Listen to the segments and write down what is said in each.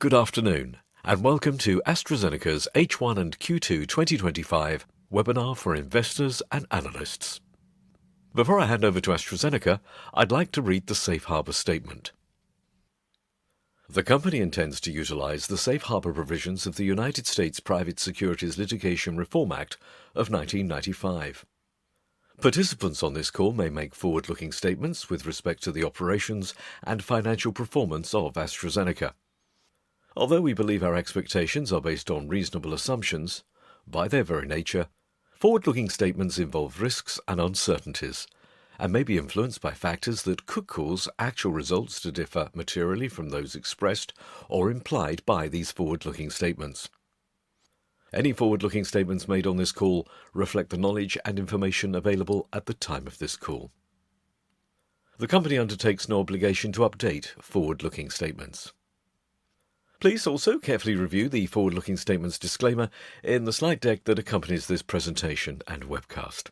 Good afternoon, and welcome to AstraZeneca's H1 and Q2 2025 webinar for investors and analysts. Before I hand over to AstraZeneca, I'd like to read the Safe Harbor Statement. The company intends to utilize the Safe Harbor Provisions of the United States Private Securities Litigation Reform Act of 1995. Participants on this call may make forward-looking statements with respect to the operations and financial performance of AstraZeneca. Although we believe our expectations are based on reasonable assumptions, by their very nature, forward-looking statements involve risks and uncertainties, and may be influenced by factors that could cause actual results to differ materially from those expressed or implied by these forward-looking statements. Any forward-looking statements made on this call reflect the knowledge and information available at the time of this call. The company undertakes no obligation to update forward-looking statements. Please also carefully review the forward-looking statements disclaimer in the slide deck that accompanies this presentation and webcast.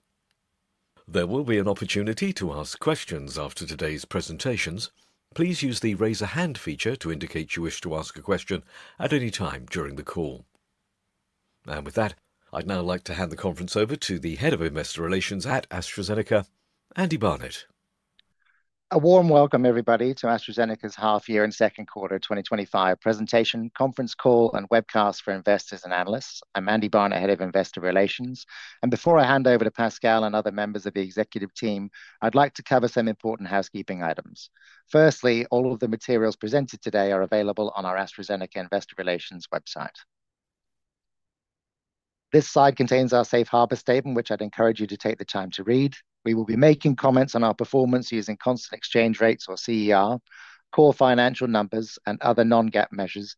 There will be an opportunity to ask questions after today's presentations. Please use the raise-a-hand feature to indicate you wish to ask a question at any time during the call. With that, I'd now like to hand the conference over to the Head of Investor Relations at AstraZeneca, Andy Barnett. A warm welcome, everybody, to AstraZeneca's half-year and second quarter 2025 presentation, conference call, and webcast for investors and analysts. I'm Andy Barnett, Head of Investor Relations. Before I hand over to Pascal and other members of the executive team, I'd like to cover some important housekeeping items. Firstly, all of the materials presented today are available on our AstraZeneca Investor Relations website. This slide contains our Safe Harbor Statement, which I'd encourage you to take the time to read. We will be making comments on our performance using constant exchange rates, or CER, core financial numbers, and other non-GAAP measures.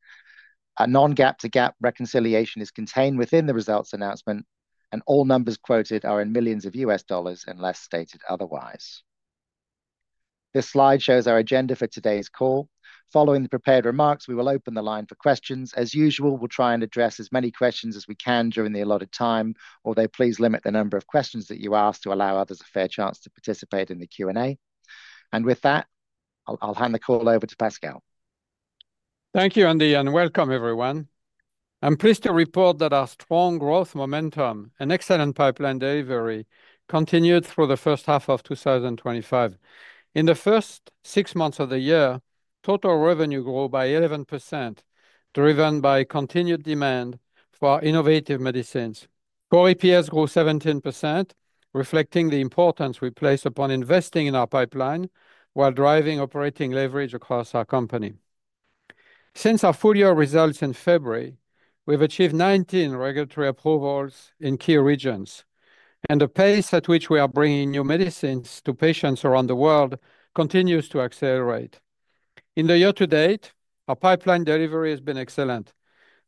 A non-GAAP to GAAP reconciliation is contained within the results announcement, and all numbers quoted are in millions of U.S. dollars unless stated otherwise. This slide shows our agenda for today's call. Following the prepared remarks, we will open the line for questions. As usual, we'll try and address as many questions as we can during the allotted time, although please limit the number of questions that you ask to allow others a fair chance to participate in the Q&A. With that, I'll hand the call over to Pascal. Thank you, Andy, and welcome, everyone. I'm pleased to report that our strong growth momentum and excellent pipeline delivery continued through the first half of 2025. In the first six months of the year, total revenue grew by 11%, driven by continued demand for innovative medicines. Core EPS grew 17%, reflecting the importance we place upon investing in our pipeline while driving operating leverage across our company. Since our full-year results in February, we've achieved 19 regulatory approvals in key regions, and the pace at which we are bringing new medicines to patients around the world continues to accelerate. In the year to date, our pipeline delivery has been excellent.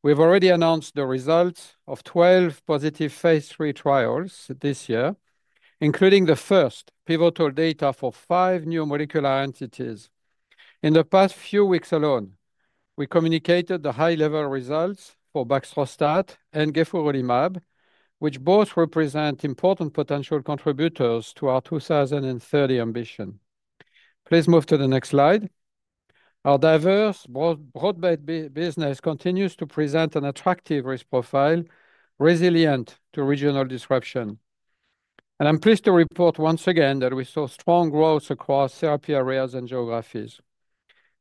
We've already announced the results of 12 positive phase III trials this year, including the first pivotal data for five new molecular entities. In the past few weeks alone, we communicated the high-level results for baxdrostat and gefurulimab, which both represent important potential contributors to our 2030 ambition. Please move to the next slide. Our diverse broad-based business continues to present an attractive risk profile, resilient to regional disruption. I'm pleased to report once again that we saw strong growth across therapy areas and geographies.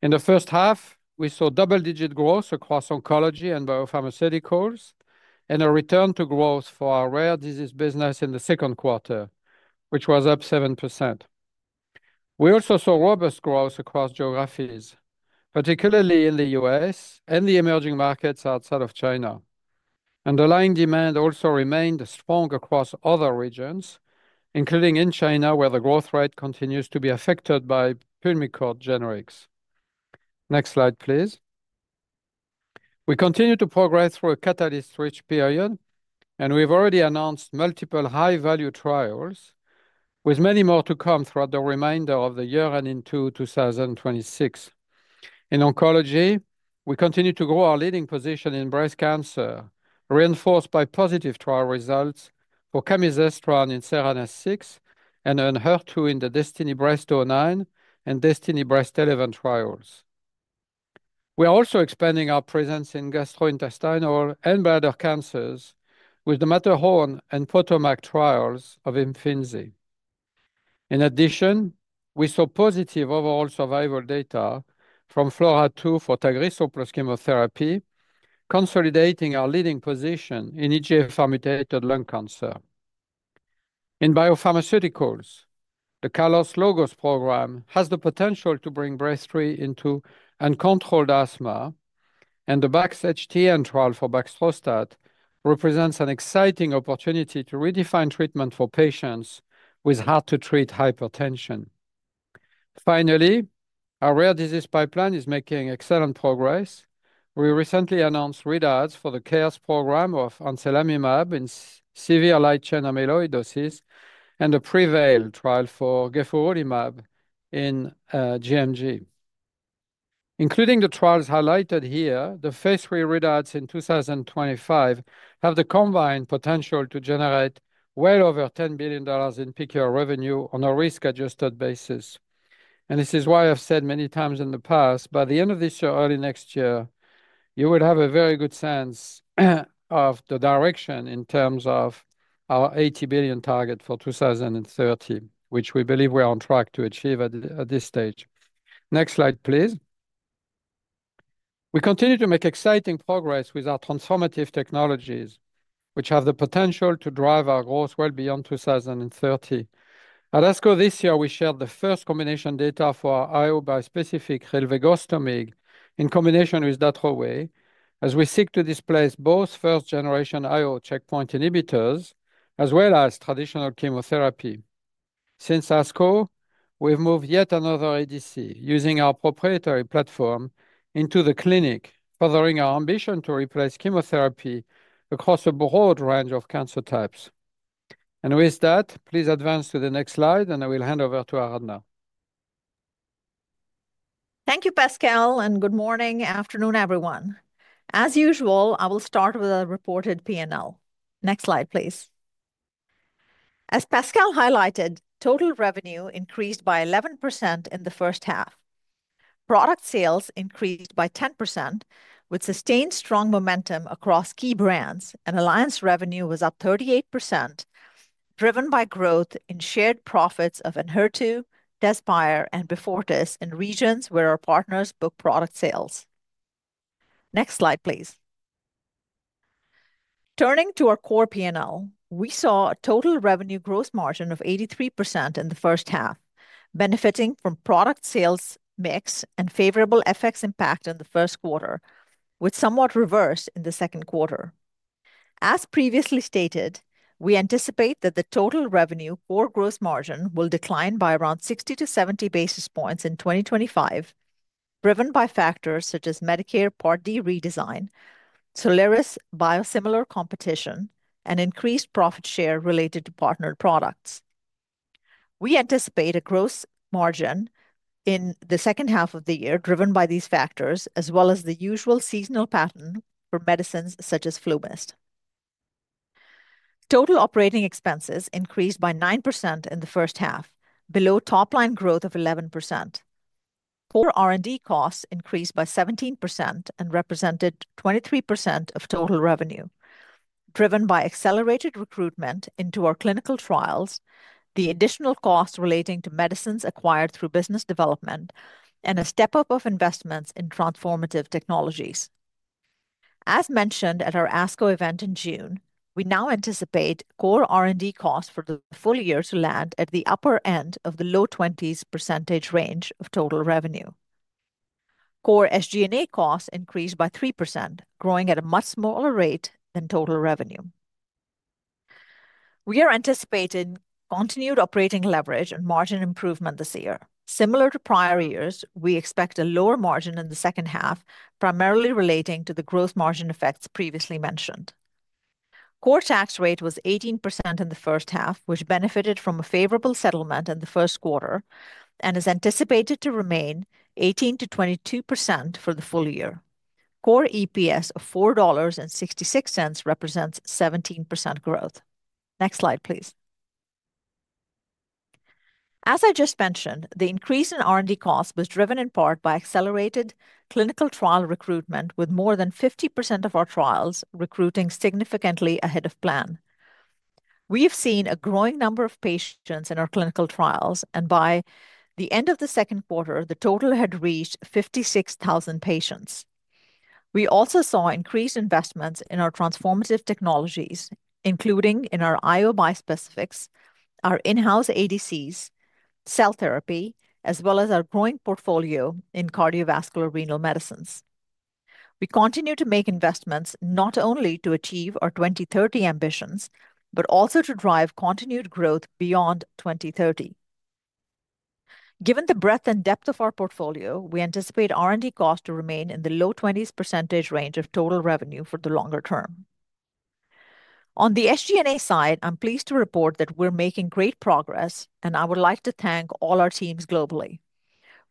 In the first half, we saw double-digit growth across oncology and biopharmaceuticals, and a return to growth for our rare disease business in the second quarter, which was up 7%. We also saw robust growth across geographies, particularly in the U.S. and the emerging markets outside of China. Underlying demand also remained strong across other regions, including in China, where the growth rate continues to be affected by Pulmicort generics. Next slide, please. We continue to progress through a catalyst-rich period, and we've already announced multiple high-value trials, with many more to come throughout the remainder of the year and into 2026. In oncology, we continue to grow our leading position in breast cancer, reinforced by positive trial results for Camizestrant in SERENA-6 and ENHERTU in the DESTINY-Breast09 and DESTINY-Breast11 trials. We are also expanding our presence in gastrointestinal and bladder cancers with the MATTERHORN and PROpel MAX trials of Imfinzi. In addition, we saw positive overall survival data from FLAURA2 for TAGRISSO plus chemotherapy, consolidating our leading position in EGFR-mutated lung cancer. In biopharmaceuticals, the KALOS LOGOS program has the potential to bring BREZTRI into uncontrolled asthma, and the BaxHTN trial for baxdrostat represents an exciting opportunity to redefine treatment for patients with hard-to-treat hypertension. Finally, our rare disease pipeline is making excellent progress. We recently announced readouts for the CARES program of ancelamimab in severe light-chain amyloidosis and the Prevail trial for Gefurulimab in GMG. Including the trials highlighted here, the phase III readouts in 2025 have the combined potential to generate well over $10 billion in peak-year revenue on a risk-adjusted basis. This is why I've said many times in the past, by the end of this year, early next year, you will have a very good sense of the direction in terms of our $80 billion target for 2030, which we believe we are on track to achieve at this stage. Next slide, please. We continue to make exciting progress with our transformative technologies, which have the potential to drive our growth well beyond 2030. At ASCO this year, we shared the first combination data for our IO-bispecific, Rilvegostomig, in combination with Datroway, as we seek to displace both first-generation IO checkpoint inhibitors as well as traditional chemotherapy. Since ASCO, we've moved yet another EDC using our proprietary platform into the clinic, furthering our ambition to replace chemotherapy across a broad range of cancer types. With that, please advance to the next slide, and I will hand over to Aradhana. Thank you, Pascal, and good morning, afternoon, everyone. As usual, I will start with a reported P&L. Next slide, please. As Pascal highlighted, total revenue increased by 11% in the first half. Product sales increased by 10%, with sustained strong momentum across key brands, and alliance revenue was up 38%, driven by growth in shared profits of ENHERTU, TEZSPIRE, and Beyfortus in regions where our partners book product sales. Next slide, please. Turning to our core P&L, we saw a total revenue gross margin of 83% in the first half, benefiting from product sales mix and favorable FX impact in the first quarter, which somewhat reversed in the second quarter. As previously stated, we anticipate that the total revenue core growth margin will decline by around 60-70 basis points in 2025, driven by factors such as Medicare Part D redesign, SOLIRIS biosimilar competition, and increased profit share related to partnered products. We anticipate a gross margin in the second half of the year driven by these factors, as well as the usual seasonal pattern for medicines such as FluMist. Total operating expenses increased by 9% in the first half, below top-line growth of 11%. Core R&D costs increased by 17% and represented 23% of total revenue, driven by accelerated recruitment into our clinical trials, the additional costs relating to medicines acquired through business development, and a step-up of investments in transformative technologies. As mentioned at our ASCO event in June, we now anticipate core R&D costs for the full year to land at the upper end of the low 20% range of total revenue. Core SG&A costs increased by 3%, growing at a much smaller rate than total revenue. We are anticipating continued operating leverage and margin improvement this year. Similar to prior years, we expect a lower margin in the second half, primarily relating to the growth margin effects previously mentioned. Core tax rate was 18% in the first half, which benefited from a favorable settlement in the first quarter, and is anticipated to remain 18%-22% for the full year. Core EPS of $4.66 represents 17% growth. Next slide, please. As I just mentioned, the increase in R&D costs was driven in part by accelerated clinical trial recruitment, with more than 50% of our trials recruiting significantly ahead of plan. We have seen a growing number of patients in our clinical trials, and by the end of the second quarter, the total had reached 56,000 patients. We also saw increased investments in our transformative technologies, including in our IO-bispecifics, our in-house EDCs, cell therapy, as well as our growing portfolio in cardiovascular renal medicines. We continue to make investments not only to achieve our 2030 ambitions, but also to drive continued growth beyond 2030. Given the breadth and depth of our portfolio, we anticipate R&D costs to remain in the low 20s % range of total revenue for the longer term. On the SG&A side, I'm pleased to report that we're making great progress, and I would like to thank all our teams globally.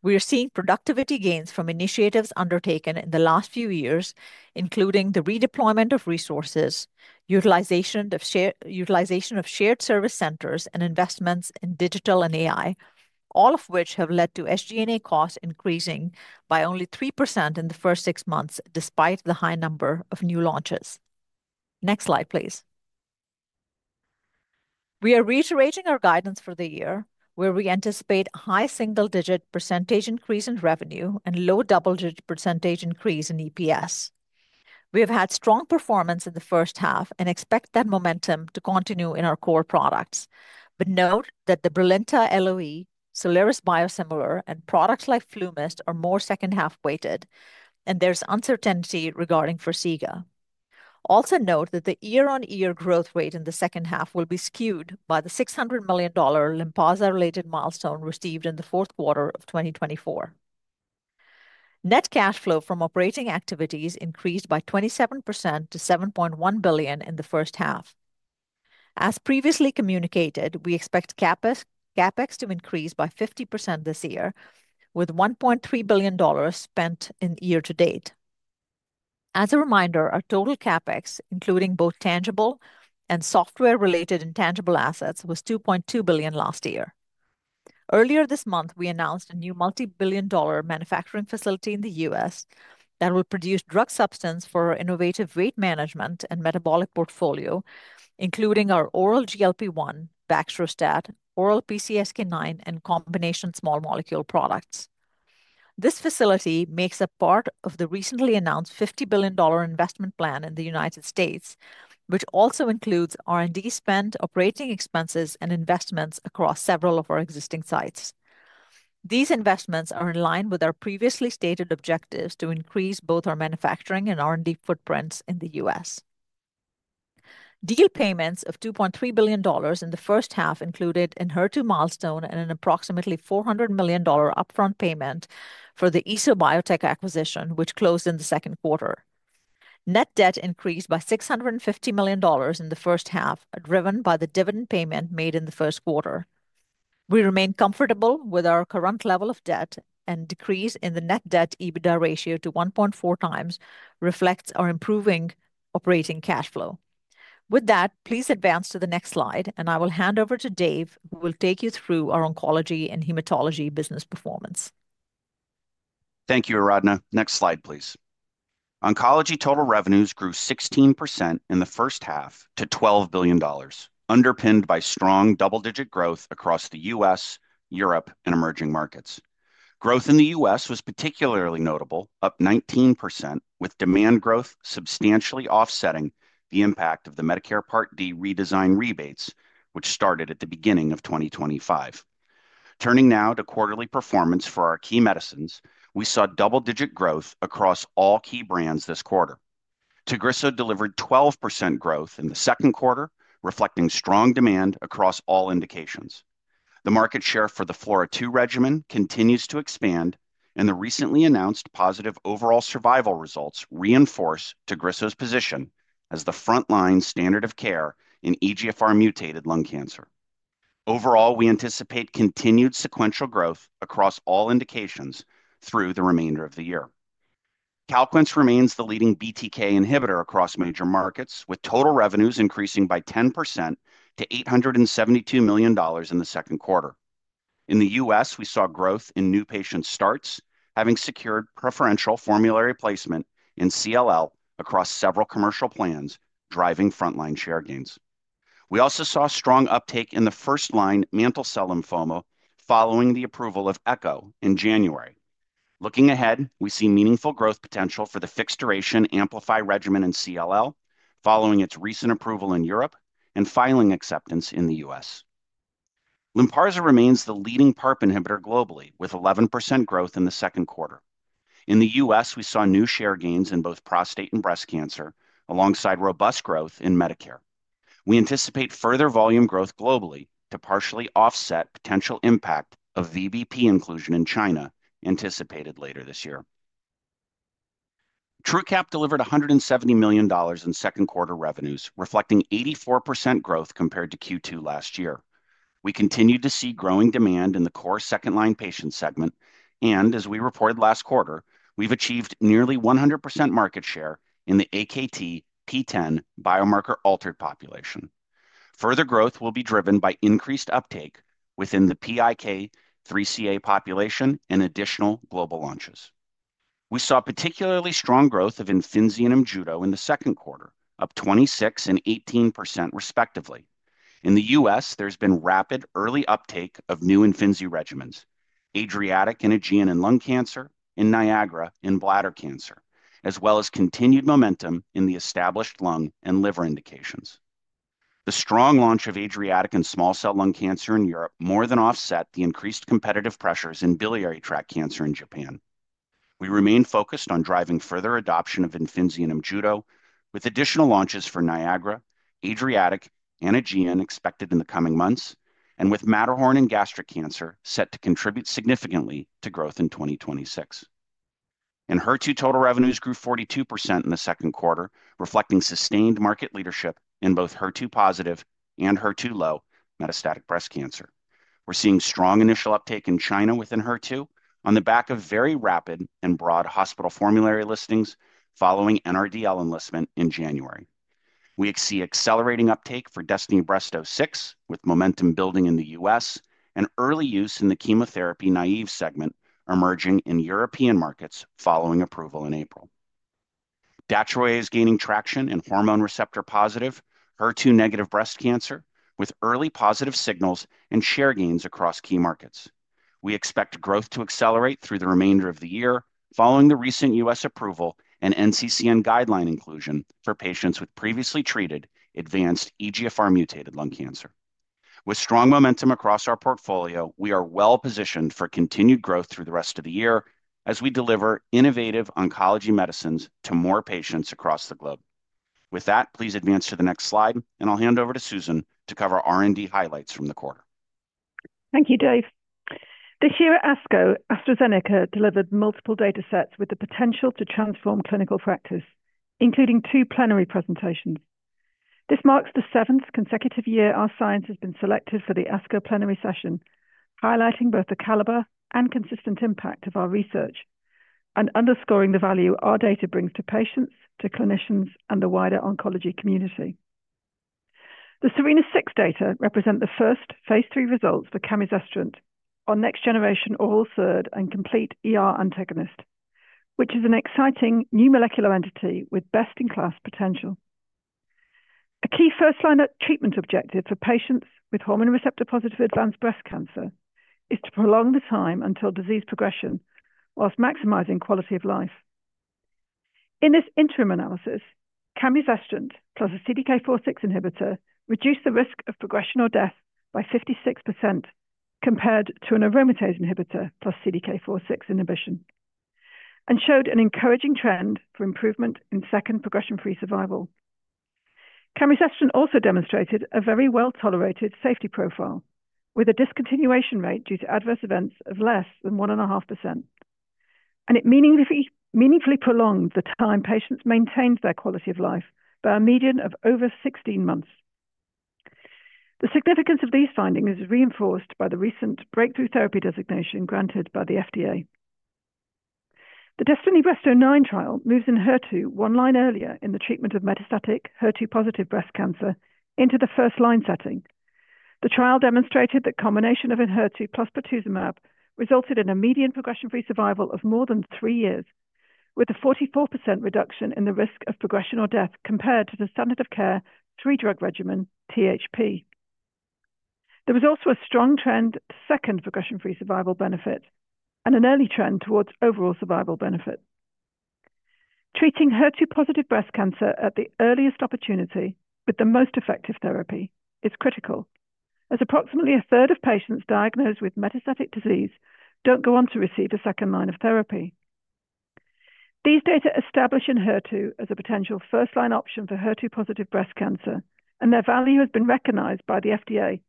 We are seeing productivity gains from initiatives undertaken in the last few years, including the redeployment of resources, utilization of shared service centers, and investments in digital and AI, all of which have led to SG&A costs increasing by only 3% in the first six months, despite the high number of new launches. Next slide, please. We are reiterating our guidance for the year, where we anticipate a high single-digit % increase in revenue and low double-digit % increase in EPS. We have had strong performance in the first half and expect that momentum to continue in our core products. Note that the BRILINTA LOE, SOLIRIS biosimilar, and products like FluMist are more second-half weighted, and there's uncertainty regarding Farxiga. Also note that the year-on-year growth rate in the second half will be skewed by the $600 million LYNPARZA-related milestone received in the fourth quarter of 2024. Net cash flow from operating activities increased by 27% to $7.1 billion in the first half. As previously communicated, we expect CapEx to increase by 50% this year, with $1.3 billion spent in the year to date. As a reminder, our total CapEx, including both tangible and software-related intangible assets, was $2.2 billion last year. Earlier this month, we announced a new multi-billion dollar manufacturing facility in the US that will produce drug substance for our innovative weight management and metabolic portfolio, including our oral GLP-1, baxdrostat, oral PCSK9, and combination small molecule products. This facility makes a part of the recently announced $50 billion investment plan in the U.S., which also includes R&D spend, operating expenses, and investments across several of our existing sites. These investments are in line with our previously stated objectives to increase both our manufacturing and R&D footprints in the U.S. Deal payments of $2.3 billion in the first half included ENHERTU milestone and an approximately $400 million upfront payment for the ESOBiotec acquisition, which closed in the second quarter. Net debt increased by $650 million in the first half, driven by the dividend payment made in the first quarter. We remain comfortable with our current level of debt, and decrease in the net debt EBITDA ratio to 1.4x reflects our improving operating cash flow. With that, please advance to the next slide, and I will hand over to Dave, who will take you through our oncology and hematology business performance. Thank you, Aradhana. Next slide, please. Oncology total revenues grew 16% in the first half to $12 billion, underpinned by strong double-digit growth across the U.S., Europe, and emerging markets. Growth in the U.S. was particularly notable, up 19%, with demand growth substantially offsetting the impact of the Medicare Part D redesign rebates, which started at the beginning of 2025. Turning now to quarterly performance for our key medicines, we saw double-digit growth across all key brands this quarter. TAGRISSO delivered 12% growth in the second quarter, reflecting strong demand across all indications. The market share for the FLAURA2 regimen continues to expand, and the recently announced positive overall survival results reinforce TAGRISSO's position as the frontline standard of care in EGFR-mutated lung cancer. Overall, we anticipate continued sequential growth across all indications through the remainder of the year. CALQUENCE remains the leading BTK inhibitor across major markets, with total revenues increasing by 10% to $872 million in the second quarter. In the U.S., we saw growth in new patient starts, having secured preferential formulary placement in CLL across several commercial plans, driving frontline share gains. We also saw strong uptake in the first-line mantle cell lymphoma following the approval of ECHO in January. Looking ahead, we see meaningful growth potential for the fixed-duration Amplify regimen in CLL, following its recent approval in Europe and filing acceptance in the U.S. LYNPARZA remains the leading PARP inhibitor globally, with 11% growth in the second quarter. In the U.S., we saw new share gains in both prostate and breast cancer, alongside robust growth in Medicare. We anticipate further volume growth globally to partially offset potential impact of VBP inclusion in China, anticipated later this year. TRUQAP delivered $170 million in second-quarter revenues, reflecting 84% growth compared to Q2 last year. We continue to see growing demand in the core second-line patient segment, and as we reported last quarter, we've achieved nearly 100% market share in the AKT-P10 biomarker-altered population. Further growth will be driven by increased uptake within the PIK3CA population and additional global launches. We saw particularly strong growth of IMJUDO in the second quarter, up 26% and 18%, respectively. In the U.S., there's been rapid early uptake of new IMFINZI regimens, ADRIATIC and AEGEAN in lung cancer, and NIAGARA in bladder cancer, as well as continued momentum in the established lung and liver indications. The strong launch of Adriatic in small cell lung cancer in Europe more than offset the increased competitive pressures in biliary tract cancer in Japan. We remain focused on driving further adoption of IMFINZI and IMJUDO, with additional launches for Niagara, Adriatic, and Aegean expected in the coming months, and with MATTERHORN and gastric cancer set to contribute significantly to growth in 2026. In HER2, total revenues grew 42% in the second quarter, reflecting sustained market leadership in both HER2-positive and HER2-low metastatic breast cancer. We're seeing strong initial uptake in China within HER2, on the back of very rapid and broad hospital formulary listings following NRDL enlistment in January. We see accelerating uptake for DESTINY-Breast06, with momentum building in the U.S., and early use in the chemotherapy naive segment emerging in European markets following approval in April. DATROWAY is gaining traction in hormone receptor-positive, HER2-negative breast cancer, with early positive signals and share gains across key markets. We expect growth to accelerate through the remainder of the year, following the recent US approval and NCCN guideline inclusion for patients with previously treated advanced EGFR-mutated lung cancer. With strong momentum across our portfolio, we are well-positioned for continued growth through the rest of the year, as we deliver innovative oncology medicines to more patients across the globe. With that, please advance to the next slide, and I'll hand over to Susan to cover R&D highlights from the quarter. Thank you, Dave. This year, ASCO AstraZeneca delivered multiple data sets with the potential to transform clinical practice, including two plenary presentations. This marks the seventh consecutive year our science has been selected for the ASCO plenary session, highlighting both the caliber and consistent impact of our research and underscoring the value our data brings to patients, to clinicians, and the wider oncology community. The SERENA-6 data represent the first phase III results for Camizestrant, our next-generation oral SERD and complete antagonist, which is an exciting new molecular entity with best-in-class potential. A key first-line treatment objective for patients with hormone receptor-positive advanced breast cancer is to prolong the time until disease progression whilst maximizing quality of life. In this interim analysis, Camizestrant plus a CDK4/6 inhibitor reduced the risk of progression or death by 56% compared to an aromatase inhibitor plus CDK4/6 inhibition, and showed an encouraging trend for improvement in second progression-free survival. Camizestrant also demonstrated a very well-tolerated safety profile, with a discontinuation rate due to adverse events of less than 1.5%, and it meaningfully prolonged the time patients maintained their quality of life by a median of over 16 months. The significance of these findings is reinforced by the recent breakthrough therapy designation granted by the FDA. The DESTINY-Breast09 trial moves ENHERTU one line earlier in the treatment of metastatic HER2-positive breast cancer into the first-line setting. The trial demonstrated that combination of ENHERTU plus pertuzumab resulted in a median progression-free survival of more than three years, with a 44% reduction in the risk of progression or death compared to the standard of care three-drug regimen, THP. There was also a strong trend to second progression-free survival benefits and an early trend towards overall survival benefits. Treating HER2-positive breast cancer at the earliest opportunity with the most effective therapy is critical, as approximately a third of patients diagnosed with metastatic disease do not go on to receive a second line of therapy. These data establish ENHERTU as a potential first-line option for HER2-positive breast cancer, and their value has been recognized by the FDA,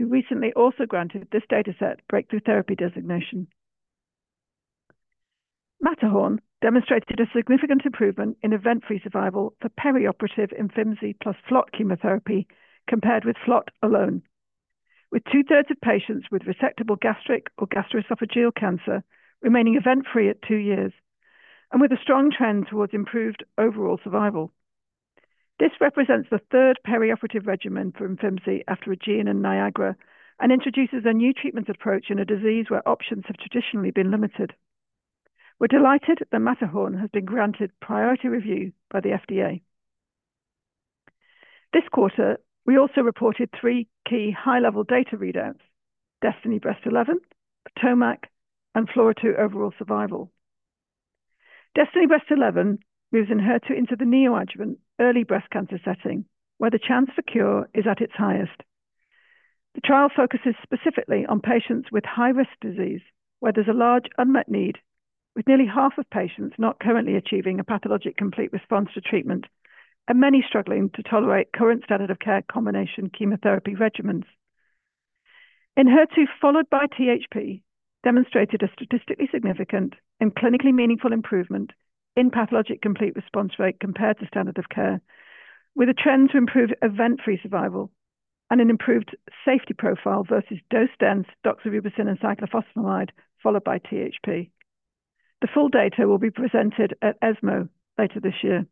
who recently also granted this data set Breakthrough Therapy designation. MATTERHORN demonstrated a significant improvement in event-free survival for perioperative Imfinzi plus FLOT chemotherapy compared with FLOT alone, with two-thirds of patients with resectable gastric or gastroesophageal cancer remaining event-free at two years, and with a strong trend towards improved overall survival. This represents the third perioperative regimen for Imfinzi after AEGEAN and NIAGARA, and introduces a new treatment approach in a disease where options have traditionally been limited. We're delighted that MATTERHORN has been granted priority review by the FDA. This quarter, we also reported three key high-level data readouts: DESTINY-Breast11, TROPION-Lung01, and FLAURA2 overall survival. DESTINY-Breast11 moves ENHERTU into the neoadjuvant early breast cancer setting, where the chance for cure is at its highest. The trial focuses specifically on patients with high-risk disease, where there's a large unmet need, with nearly half of patients not currently achieving a pathologic complete response to treatment, and many struggling to tolerate current standard of care combination chemotherapy regimens. ENHERTU, followed by THP, demonstrated a statistically significant and clinically meaningful improvement in pathologic complete response rate compared to standard of care, with a trend to improve event-free survival and an improved safety profile versus dose-dense doxorubicin and cyclophosphamide followed by THP. The full data will be presented at ESMO later this year.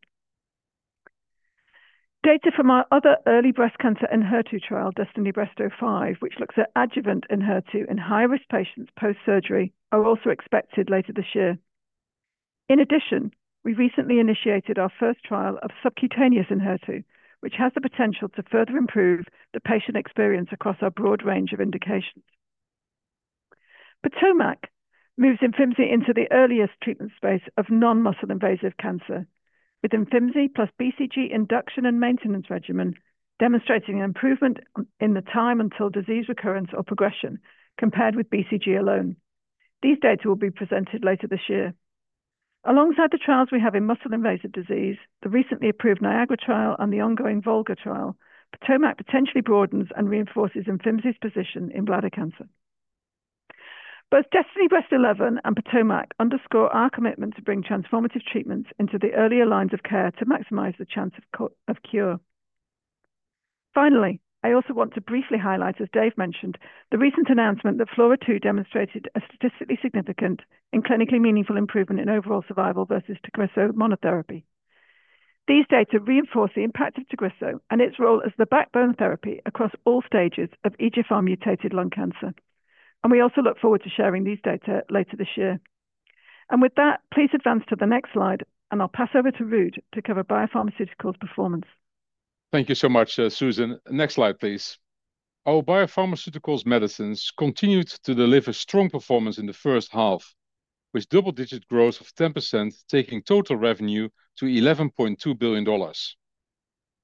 Data from our other early breast cancer ENHERTU trial, DESTINY-Breast 05, which looks at adjuvant ENHERTU in high-risk patients post-surgery, are also expected later this year. In addition, we recently initiated our first trial of subcutaneous ENHERTU, which has the potential to further improve the patient experience across our broad range of indications. POTOMAC moves IMFINZI into the earliest treatment space of non-muscle invasive cancer, with IMFINZI plus BCG induction and maintenance regimen demonstrating an improvement in the time until disease recurrence or progression compared with BCG alone. These data will be presented later this year. Alongside the trials we have in muscle invasive disease, the recently approved NIAGARA trial and the ongoing VOLGA trial, POTOMAC potentially broadens and reinforces Imfinzi's position in bladder cancer. Both DESTINY-Breast11 and POTOMAC underscore our commitment to bring transformative treatments into the earlier lines of care to maximize the chance of cure. Finally, I also want to briefly highlight, as Dave mentioned, the recent announcement that FLAURA2 demonstrated a statistically significant and clinically meaningful improvement in overall survival versus TAGRISSO monotherapy. These data reinforce the impact of TAGRISSO and its role as the backbone therapy across all stages of EGFR-mutated lung cancer, and we also look forward to sharing these data later this year. With that, please advance to the next slide, and I'll pass over to Ruud to cover biopharmaceuticals performance. Thank you so much, Susan. Next slide, please. Our biopharmaceuticals medicines continued to deliver strong performance in the first half, with double-digit growth of 10%, taking total revenue to $11.2 billion.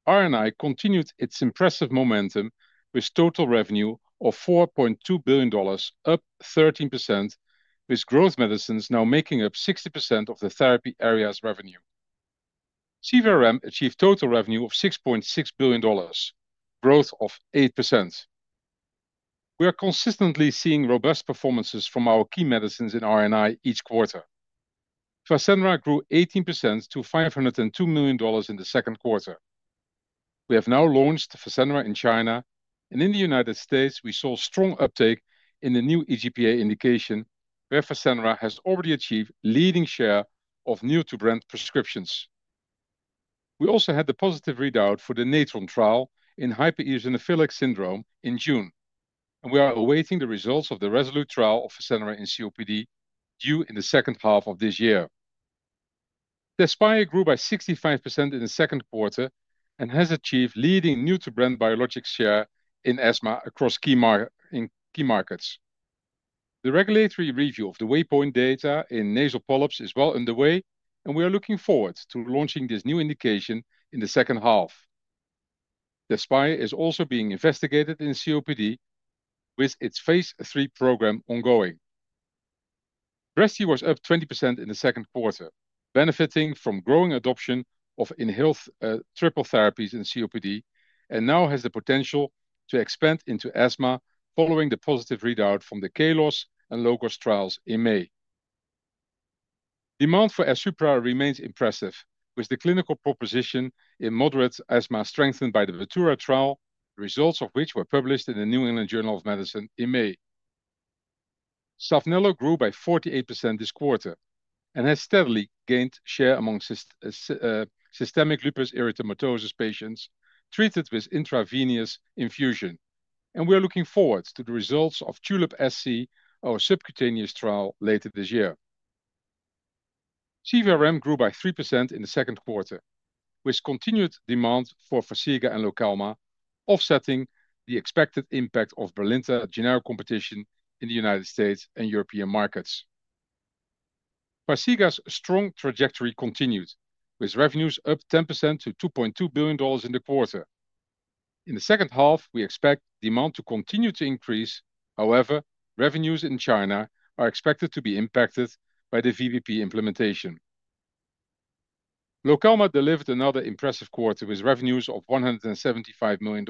RNI continued its impressive momentum, with total revenue of $4.2 billion, up 13%, with growth medicines now making up 60% of the therapy area's revenue. CVRM achieved total revenue of $6.6 billion, growth of 8%. We are consistently seeing robust performances from our key medicines in RNI each quarter. FASENRA grew 18% to $502 million in the second quarter. We have now launched FASENRA in China, and in the United States, we saw strong uptake in the new EGPA indication, where FASENRA has already achieved leading share of new-to-brand prescriptions. We also had the positive readout for the NATRON trial in hypereosinophilic syndrome in June, and we are awaiting the results of the RESOLUTE trial of FASENRA in COPD due in the second half of this year. TEZSPIRE grew by 65% in the second quarter and has achieved leading new-to-brand biologic share in asthma across key markets. The regulatory review of the WAYPOINT data in nasal polyps is well underway, and we are looking forward to launching this new indication in the second half. TEZSPIRE is also being investigated in COPD, with its phase III program ongoing. BREZTRI was up 20% in the second quarter, benefiting from growing adoption of inhaled triple therapies in COPD, and now has the potential to expand into asthma following the positive readout from the KALOS and LOGOS trials in May. Demand for AIRSUPRA remains impressive, with the clinical proposition in moderate asthma strengthened by the BATURA trial, results of which were published in the New England Journal of Medicine in May. SAPHNELO grew by 48% this quarter and has steadily gained share among systemic lupus erythematosus patients treated with intravenous infusion, and we are looking forward to the results of TULIP-SC, our subcutaneous trial, later this year. CVRM grew by 3% in the second quarter, with continued demand for FARXIGA and LOKELMA, offsetting the expected impact of Brilinta generic competition in the U.S. and European markets. FARXIGA's strong trajectory continued, with revenues up 10% to $2.2 billion in the quarter. In the second half, we expect demand to continue to increase; however, revenues in China are expected to be impacted by the VBP implementation. LOKELMA delivered another impressive quarter with revenues of $175 million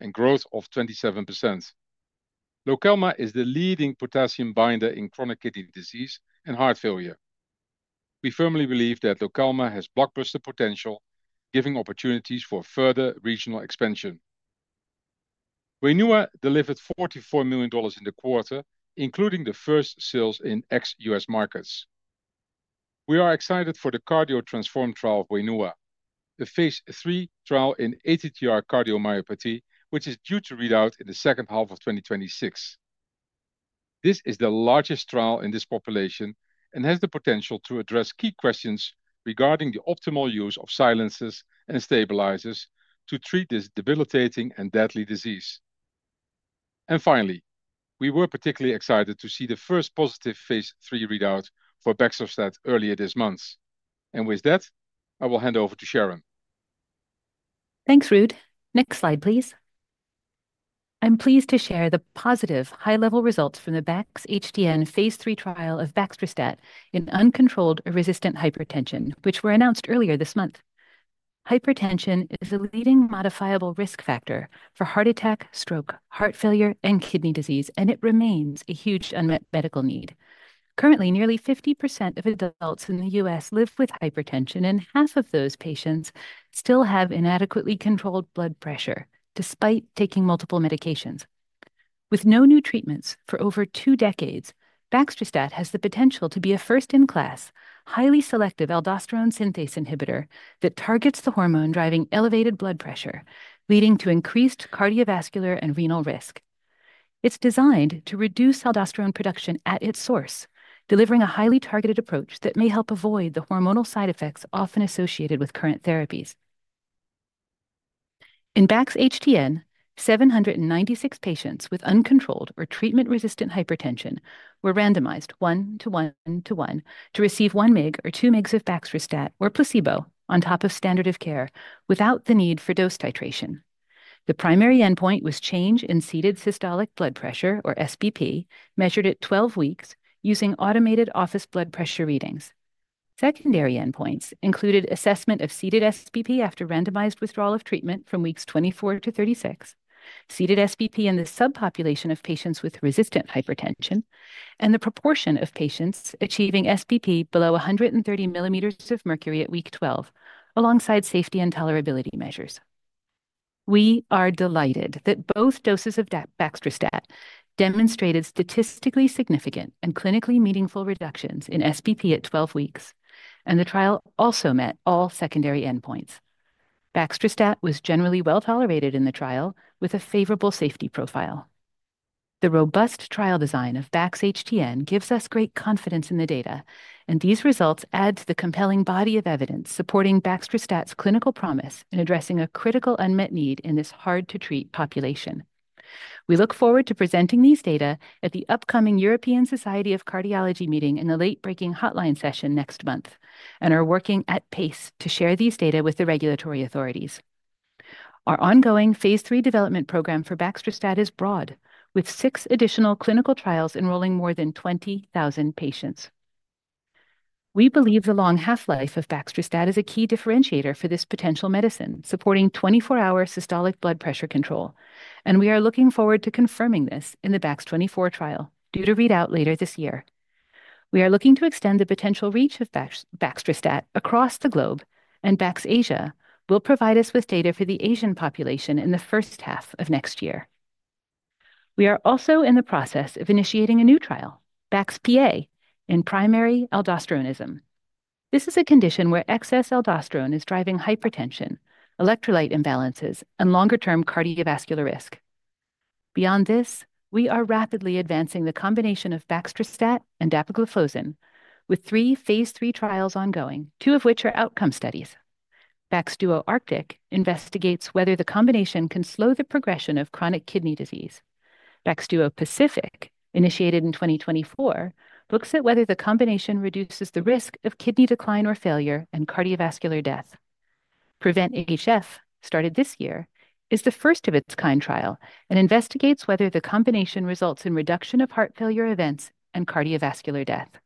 and growth of 27%. LOKELMA is the leading potassium binder in chronic kidney disease and heart failure. We firmly believe that LOKELMA has blockbuster potential, giving opportunities for further regional expansion. WAINUA delivered $44 million in the quarter, including the first sales in ex-U.S. markets. We are excited for the Cardio Transform trial of WAINUA, the phase III trial in ATTR cardiomyopathy, which is due to read out in the second half of 2026. This is the largest trial in this population and has the potential to address key questions regarding the optimal use of silencers and stabilizers to treat this debilitating and deadly disease. Finally, we were particularly excited to see the first positive phase III readout for baxdrostat earlier this month, and with that, I will hand over to Sharon. Thanks, Ruud. Next slide, please. I'm pleased to share the positive high-level results from the BaxHTN phase III trial of baxdrostat in uncontrolled resistant hypertension, which were announced earlier this month. Hypertension is the leading modifiable risk factor for heart attack, stroke, heart failure, and kidney disease, and it remains a huge unmet medical need. Currently, nearly 50% of adults in the U.S. live with hypertension, and half of those patients still have inadequately controlled blood pressure despite taking multiple medications. With no new treatments for over two decades, baxdrostat has the potential to be a first-in-class, highly selective aldosterone synthase inhibitor that targets the hormone driving elevated blood pressure, leading to increased cardiovascular and renal risk. It's designed to reduce aldosterone production at its source, delivering a highly targeted approach that may help avoid the hormonal side effects often associated with current therapies. In BaxHTN, 796 patients with uncontrolled or treatment-resistant hypertension were randomized one-to-one-to-one to receive 1 mg or 2 mg of baxdrostat or placebo on top of standard of care without the need for dose titration. The primary endpoint was change in seated systolic blood pressure, or SBP, measured at 12 weeks using automated office blood pressure readings. Secondary endpoints included assessment of seated SBP after randomized withdrawal of treatment from weeks 24 to 36, seated SBP in the subpopulation of patients with resistant hypertension, and the proportion of patients achieving SBP below 130 mm of mercury at week 12, alongside safety and tolerability measures. We are delighted that both doses of baxdrostat demonstrated statistically significant and clinically meaningful reductions in SBP at 12 weeks, and the trial also met all secondary endpoints. baxdrostat was generally well tolerated in the trial with a favorable safety profile. The robust trial design of BaxHTN gives us great confidence in the data, and these results add to the compelling body of evidence supporting baxdrostat's clinical promise in addressing a critical unmet need in this hard-to-treat population. We look forward to presenting these data at the upcoming European Society of Cardiology meeting in the late-breaking hotline session next month and are working at pace to share these data with the regulatory authorities. Our ongoing phase III development program for baxdrostat is broad, with six additional clinical trials enrolling more than 20,000 patients. We believe the long half-life of baxdrostat is a key differentiator for this potential medicine supporting 24-hour systolic blood pressure control, and we are looking forward to confirming this in the Bax24 trial due to readout later this year. We are looking to extend the potential reach of baxdrostat across the globe, and BAX Asia will provide us with data for the Asian population in the first half of next year. We are also in the process of initiating a new trial, BAX PA, in primary aldosteronism. This is a condition where excess aldosterone is driving hypertension, electrolyte imbalances, and longer-term cardiovascular risk. Beyond this, we are rapidly advancing the combination of baxdrostat and dapagliflozin, with three phase III trials ongoing, two of which are outcome studies. Baxduo Arctic investigates whether the combination can slow the progression of chronic kidney disease. Baxduo Pacific, initiated in 2024, looks at whether the combination reduces the risk of kidney decline or failure and cardioascular death. Prevent-HF, started this year, is the first of its kind trial and investigates whether the combination results in reduction of heart failure events and cardiovascular death.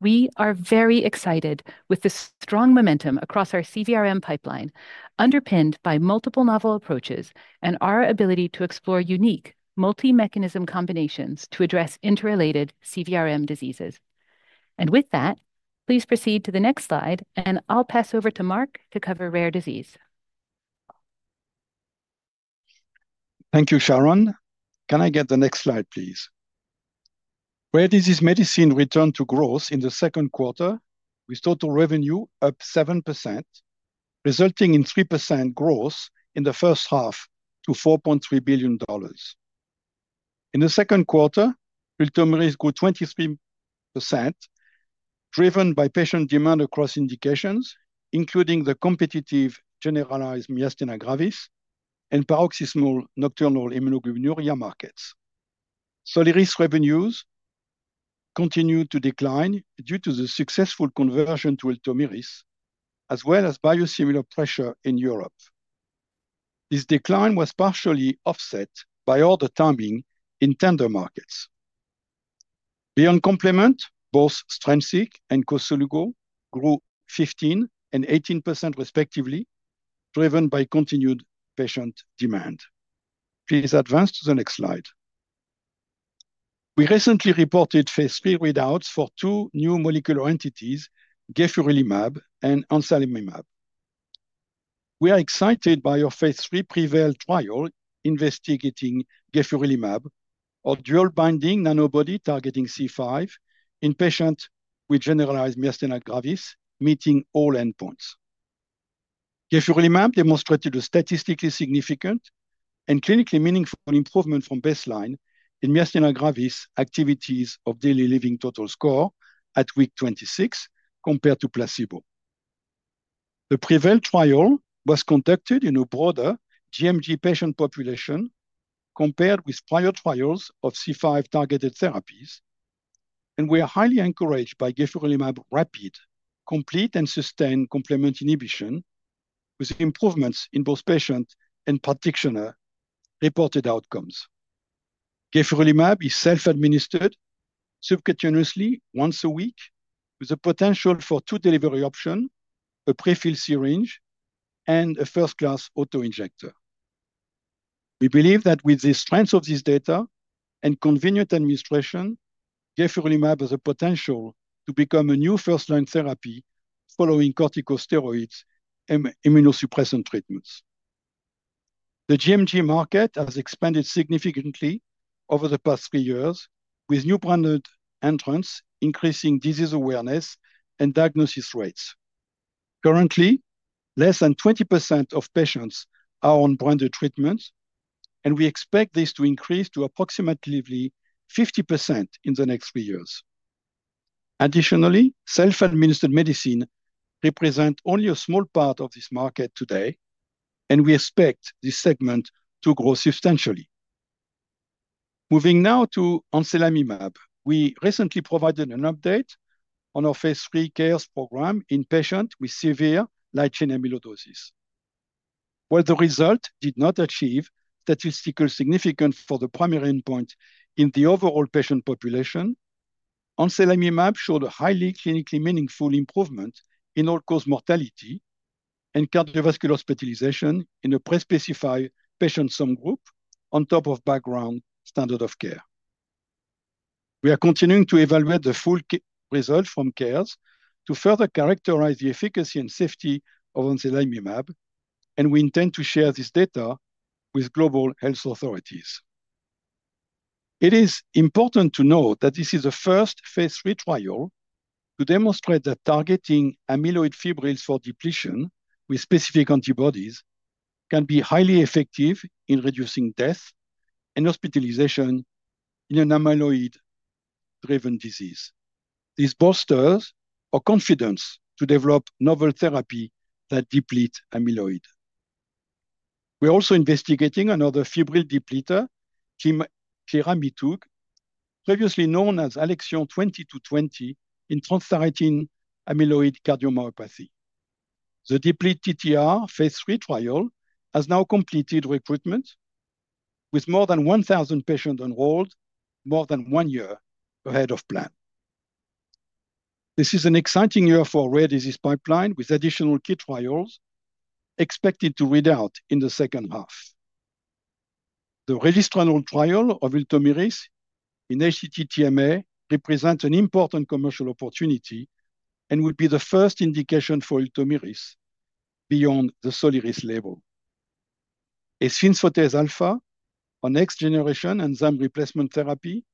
We are very excited with the strong momentum across our CVRM pipeline, underpinned by multiple novel approaches and our ability to explore unique multi-mechanism combinations to address interrelated CVRM diseases. With that, please proceed to the next slide, and I'll pass over to Mark to cover rare disease. Thank you, Sharon. Can I get the next slide, please? Rare disease medicine returned to growth in the second quarter, with total revenue up 7%, resulting in 3% growth in the first half to $4.3 billion. In the second quarter, ULTOMIRIS grew 23%, driven by patient demand across indications, including the competitive generalized myasthenia gravis and paroxysmal nocturnal hemoglobinuria markets. SOLIRIS revenues continue to decline due to the successful conversion to ULTOMIRIS, as well as biosimilar pressure in Europe. This decline was partially offset by order timing in tender markets. Beyond complement, both STRENSIQ and Koselugo grew 15% and 18% respectively, driven by continued patient demand. Please advance to the next slide. We recently reported phase III readouts for two new molecular entities, gefurulimab and anselimimab. We are excited by our phase III PREVAIL trial investigating gefurulimab, our dual-binding nanobody targeting C5 in patients with generalized myasthenia gravis, meeting all endpoints. gefurulimab demonstrated a statistically significant and clinically meaningful improvement from baseline in myasthenia gravis activities of daily living total score at week 26 compared to placebo. The PREVAIL trial was conducted in a broader GMG patient population compared with prior trials of C5 targeted therapies, and we are highly encouraged by gefurulimab's rapid, complete, and sustained complement inhibition, with improvements in both patient and practitioner reported outcomes. Gefurulimab is self-administered subcutaneously once a week, with a potential for two delivery options, a prefilled syringe and a first-class autoinjector. We believe that with the strength of this data and convenient administration, Gefurulimab has the potential to become a new first-line therapy following corticosteroids and immunosuppressant treatments. The GMG market has expanded significantly over the past three years, with new branded entrants increasing disease awareness and diagnosis rates. Currently, less than 20% of patients are on branded treatments, and we expect this to increase to approximately 50% in the next three years. Additionally, self-administered medicine represents only a small part of this market today, and we expect this segment to grow substantially. Moving now to anselamimab, we recently provided an update on our phase III CARES program in patients with severe light chain amyloidosis. While the result did not achieve statistical significance for the primary endpoint in the overall patient population, anselamimab showed a highly clinically meaningful improvement in all-cause mortality and cardiovascular hospitalization in a pre-specified patient subgroup on top of background standard of care. We are continuing to evaluate the full result from CARES to further characterize the efficacy and safety of anselamimab, and we intend to share this data with global health authorities. It is important to note that this is the first phase III trial to demonstrate that targeting amyloid fibrils for depletion with specific antibodies can be highly effective in reducing death and hospitalization in an amyloid-driven disease. These bolsters our confidence to develop novel therapy that deplete amyloid. We are also investigating another fibril depleter, cliramitug, previously known as ALXN2220 in transthyretin amyloid cardiomyopathy. The DepleTTR phase III trial has now completed recruitment with more than 1,000 patients enrolled more than one year ahead of plan. This is an exciting year for rare disease pipeline, with additional key trials expected to read out in the second half. The registry trial of ULTOMIRIS in HSC-TMA represents an important commercial opportunity and would be the first indication for ULTOMIRIS beyond the SOLIRIS label. asofotase alfa, a next-generation enzyme replacement therapy,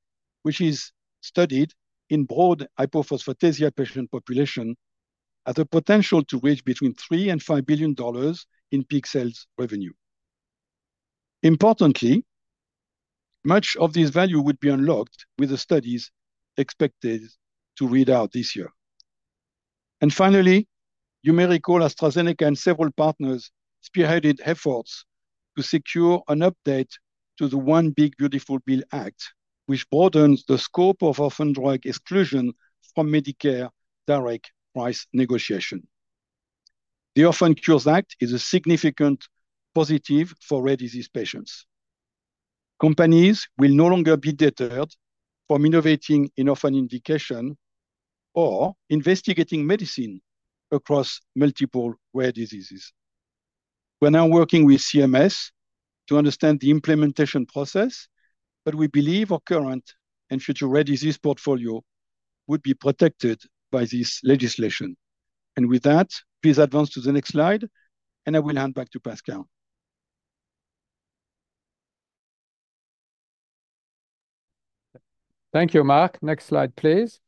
which is studied in broad hypophosphatasia patient population, has the potential to reach between $3 billion and $5 billion in peak sales revenue. Importantly, much of this value would be unlocked with the studies expected to read out this year. Finally, AstraZeneca and several partners spearheaded efforts to secure an update to the One Big Beautiful Bill Act, which broadens the scope of Orphan Drug exclusion from Medicare direct price negotiation. The Orphan Cures Act is a significant positive for rare disease patients. Companies will no longer be deterred from innovating in orphan indication or investigating medicine across multiple rare diseases. We're now working with CMS to understand the implementation process, but we believe our current and future rare disease portfolio would be protected by this legislation. With that, please advance to the next slide, and I will hand back to Pascal. Thank you, Mark. Next slide, please.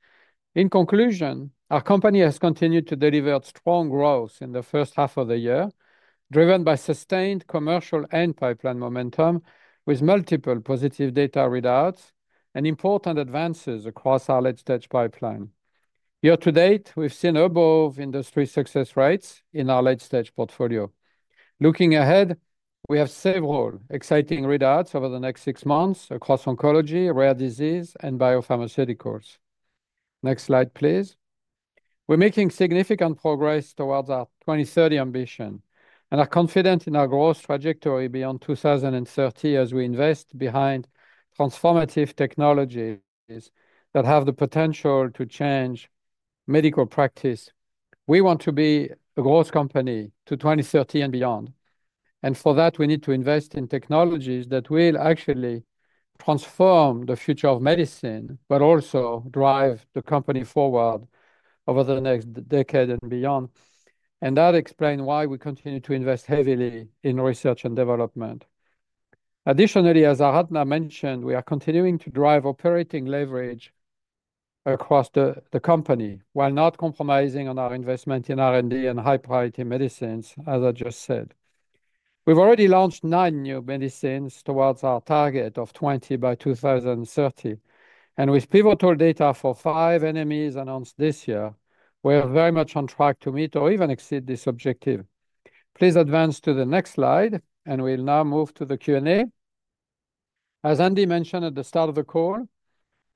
In conclusion, our company has continued to deliver strong growth in the first half of the year, driven by sustained commercial and pipeline momentum with multiple positive data readouts and important advances across our late-stage pipeline. Year to date, we've seen above industry success rates in our late-stage portfolio. Looking ahead, we have several exciting readouts over the next six months across oncology, rare disease, and biopharmaceuticals. Next slide, please. We're making significant progress towards our 2030 ambition and are confident in our growth trajectory beyond 2030 as we invest behind transformative technologies that have the potential to change medical practice. We want to be a growth company to 2030 and beyond. For that, we need to invest in technologies that will actually transform the future of medicine, but also drive the company forward over the next decade and beyond. That explains why we continue to invest heavily in research and development. Additionally, as Aradhana mentioned, we are continuing to drive operating leverage across the company while not compromising on our investment in R&D and high-priority medicines, as I just said. We have already launched nine new medicines towards our target of 20 by 2030. With pivotal data for five NMEs announced this year, we are very much on track to meet or even exceed this objective. Please advance to the next slide, and we will now move to the Q&A. As Andy mentioned at the start of the call,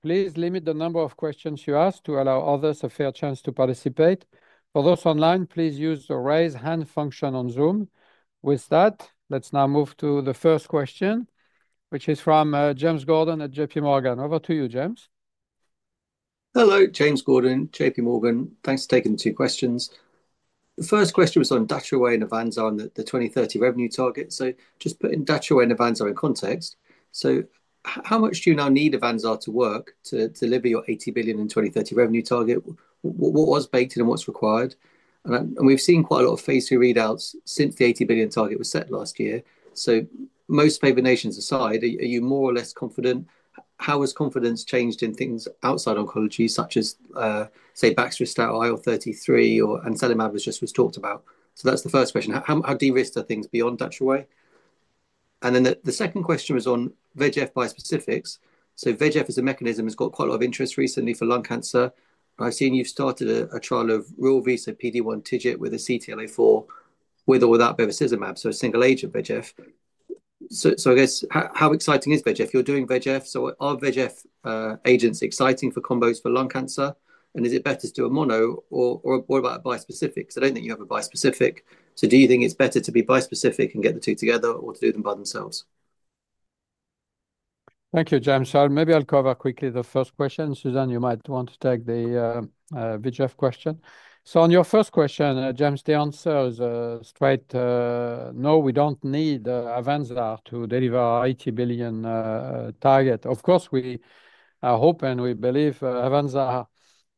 please limit the number of questions you ask to allow others a fair chance to participate. For those online, please use the raise hand function on Zoom. With that, let us now move to the first question, which is from James Gordon at JPMorgan. Over to you, James. Hello, James Gordon, JPMorgan. Thanks for taking the two questions. The first question was on DATROWAY and AVANZAR on the 2030 revenue target. Just putting DATROWAY and AVANZAR in context. How much do you now need AVANZAR to work to deliver your $80 billion in 2030 revenue target? What was baked in and what's required? We've seen quite a lot of phase III readouts since the $80 billion target was set last year. Most favored nations aside, are you more or less confident? How has confidence changed in things outside oncology, such as, say, baxdrostat, IL33, or anselemimab, as just was talked about? That's the first question. How de-risked are things beyond DATROWAY? The second question was on VEGF bispecifics. VEGF is a mechanism that's got quite a lot of interest recently for lung cancer. I've seen you've started a trial of [rilvegostomig] PD-1, TIGIT with a CTLA-4 with or without bevacizumab, so a single agent VEGF. I guess, how exciting is VEGF? You're doing VEGF. Are VEGF agents exciting for combos for lung cancer? Is it better to do a mono or what about a bispecific? I don't think you have a bispecific. Do you think it's better to be bispecific and get the two together or to do them by themselves? Thank you, James. Maybe I'll cover quickly the first question. Susan, you might want to take the VEGF question. On your first question, James, the answer is straight, no, we don't need AVANZAR to deliver our $80 billion target. Of course, we are hoping and we believe AVANZAR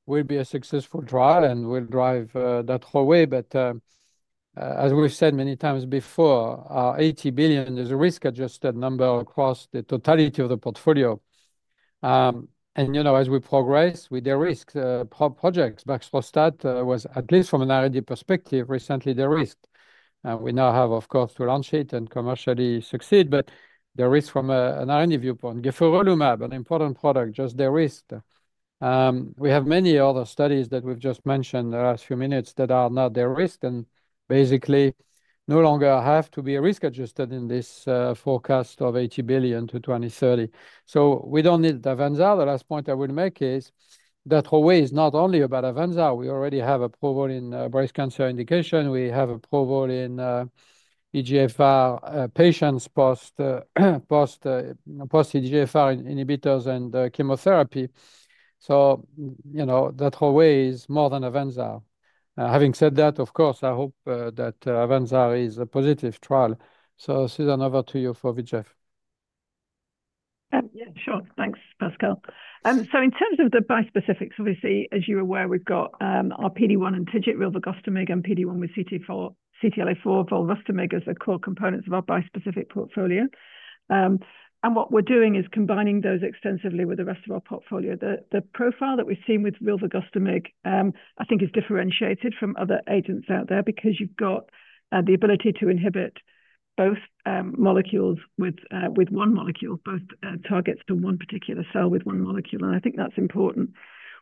will be a successful trial and will drive that away. As we've said many times before, our $80 billion is a risk-adjusted number across the totality of the portfolio. You know, as we progress with their risk projects, baxdrostat was, at least from an R&D perspective, recently de-risked. We now have, of course, to launch it and commercially succeed, but there is, from an R&D viewpoint, gefurulimab, an important product, just de-risked. We have many other studies that we've just mentioned the last few minutes that are now de-risked and basically no longer have to be risk-adjusted in this forecast of $80 billion to 2030. We do not need AVANZAR. The last point I will make is Datroway is not only about AVANZAR. We already have a probole in breast cancer indication. We have a probole in EGFR patients post-EGFR inhibitors and chemotherapy. You know Datroway is more than AVANZAR. Having said that, of course, I hope that AVANZAR is a positive trial. Susan, over to you for VEGF. Yeah, sure. Thanks, Pascal. In terms of the bispecifics, obviously, as you're aware, we've got our PD1 and TIGIT rilvegostomig and PD1 with CTLA4. Rilvegostomig is a core component of our bispecific portfolio. What we're doing is combining those extensively with the rest of our portfolio. The profile that we've seen with rilvegostomig, I think, is differentiated from other agents out there because you've got the ability to inhibit both molecules with one molecule, both targets to one particular cell with one molecule. I think that's important.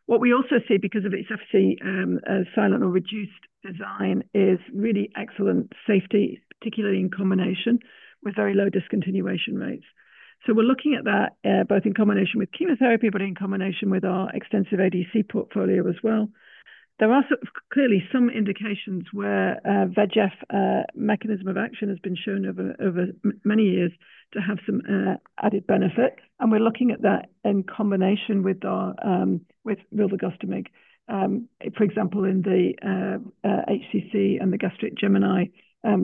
What we also see, because of its Fc-silent or reduced design, is really excellent safety, particularly in combination with very low discontinuation rates. We're looking at that both in combination with chemotherapy, but in combination with our extensive ADC portfolio as well. There are clearly some indications where VEGF mechanism of action has been shown over many years to have some added benefit. We are looking at that in combination with rilvegostomig, for example, in the HCC and the gastric GEMINI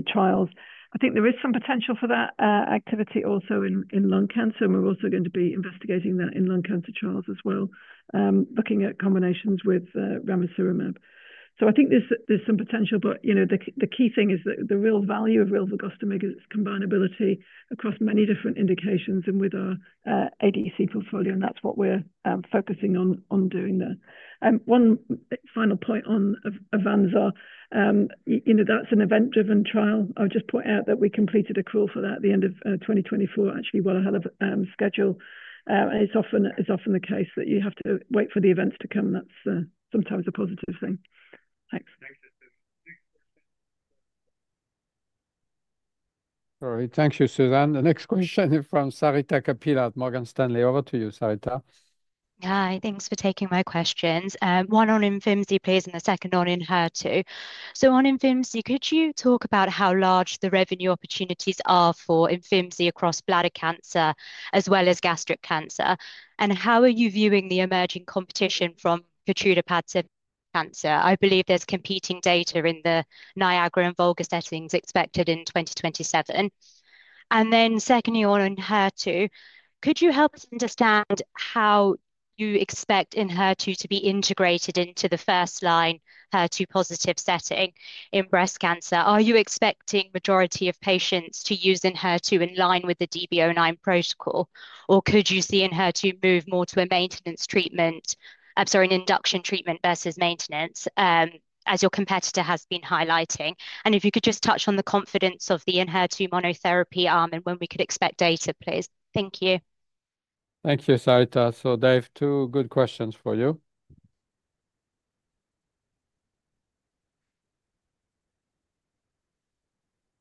trials. I think there is some potential for that activity also in lung cancer. We are also going to be investigating that in lung cancer trials as well, looking at combinations with ramucirumab. I think there is some potential, but you know the key thing is that the real value of rilvegostomig is its combinability across many different indications and with our ADC portfolio. That is what we are focusing on doing there. One final point on AVANZAR, you know that is an event-driven trial. I will just point out that we completed a call for that at the end of 2024, actually, while ahead of schedule. It is often the case that you have to wait for the events to come. That is sometimes a positive thing. Thanks. All right, thank you, Susan. The next question is from Sarita Kapila at Morgan Stanley. Over to you, Sarita. Hi, thanks for taking my questions. One on Imfinzi, please, and the second one on HER2. On IMFINZI, could you talk about how large the revenue opportunities are for IMFINZI across bladder cancer as well as gastric cancer? How are you viewing the emerging competition from KEYTRUDA-PADCEV in cancer? I believe there is competing data in the NIAGARA and VOLGA settings expected in 2027. Secondly, ENHERTU, could you help us understand how you expect ENHERTU to be integrated into the first-line HER2-positive setting in breast cancer? Are you expecting the majority of patients to use ENHERTU in line with the DB09 protocol? Or could you see ENHERTU move more to a maintenance treatment, I'm sorry, an induction treatment versus maintenance, as your competitor has been highlighting? If you could just touch on the confidence of the ENHERTU monotherapy arm and when we could expect data, please. Thank you. Thank you, Sarita. Dave, two good questions for you.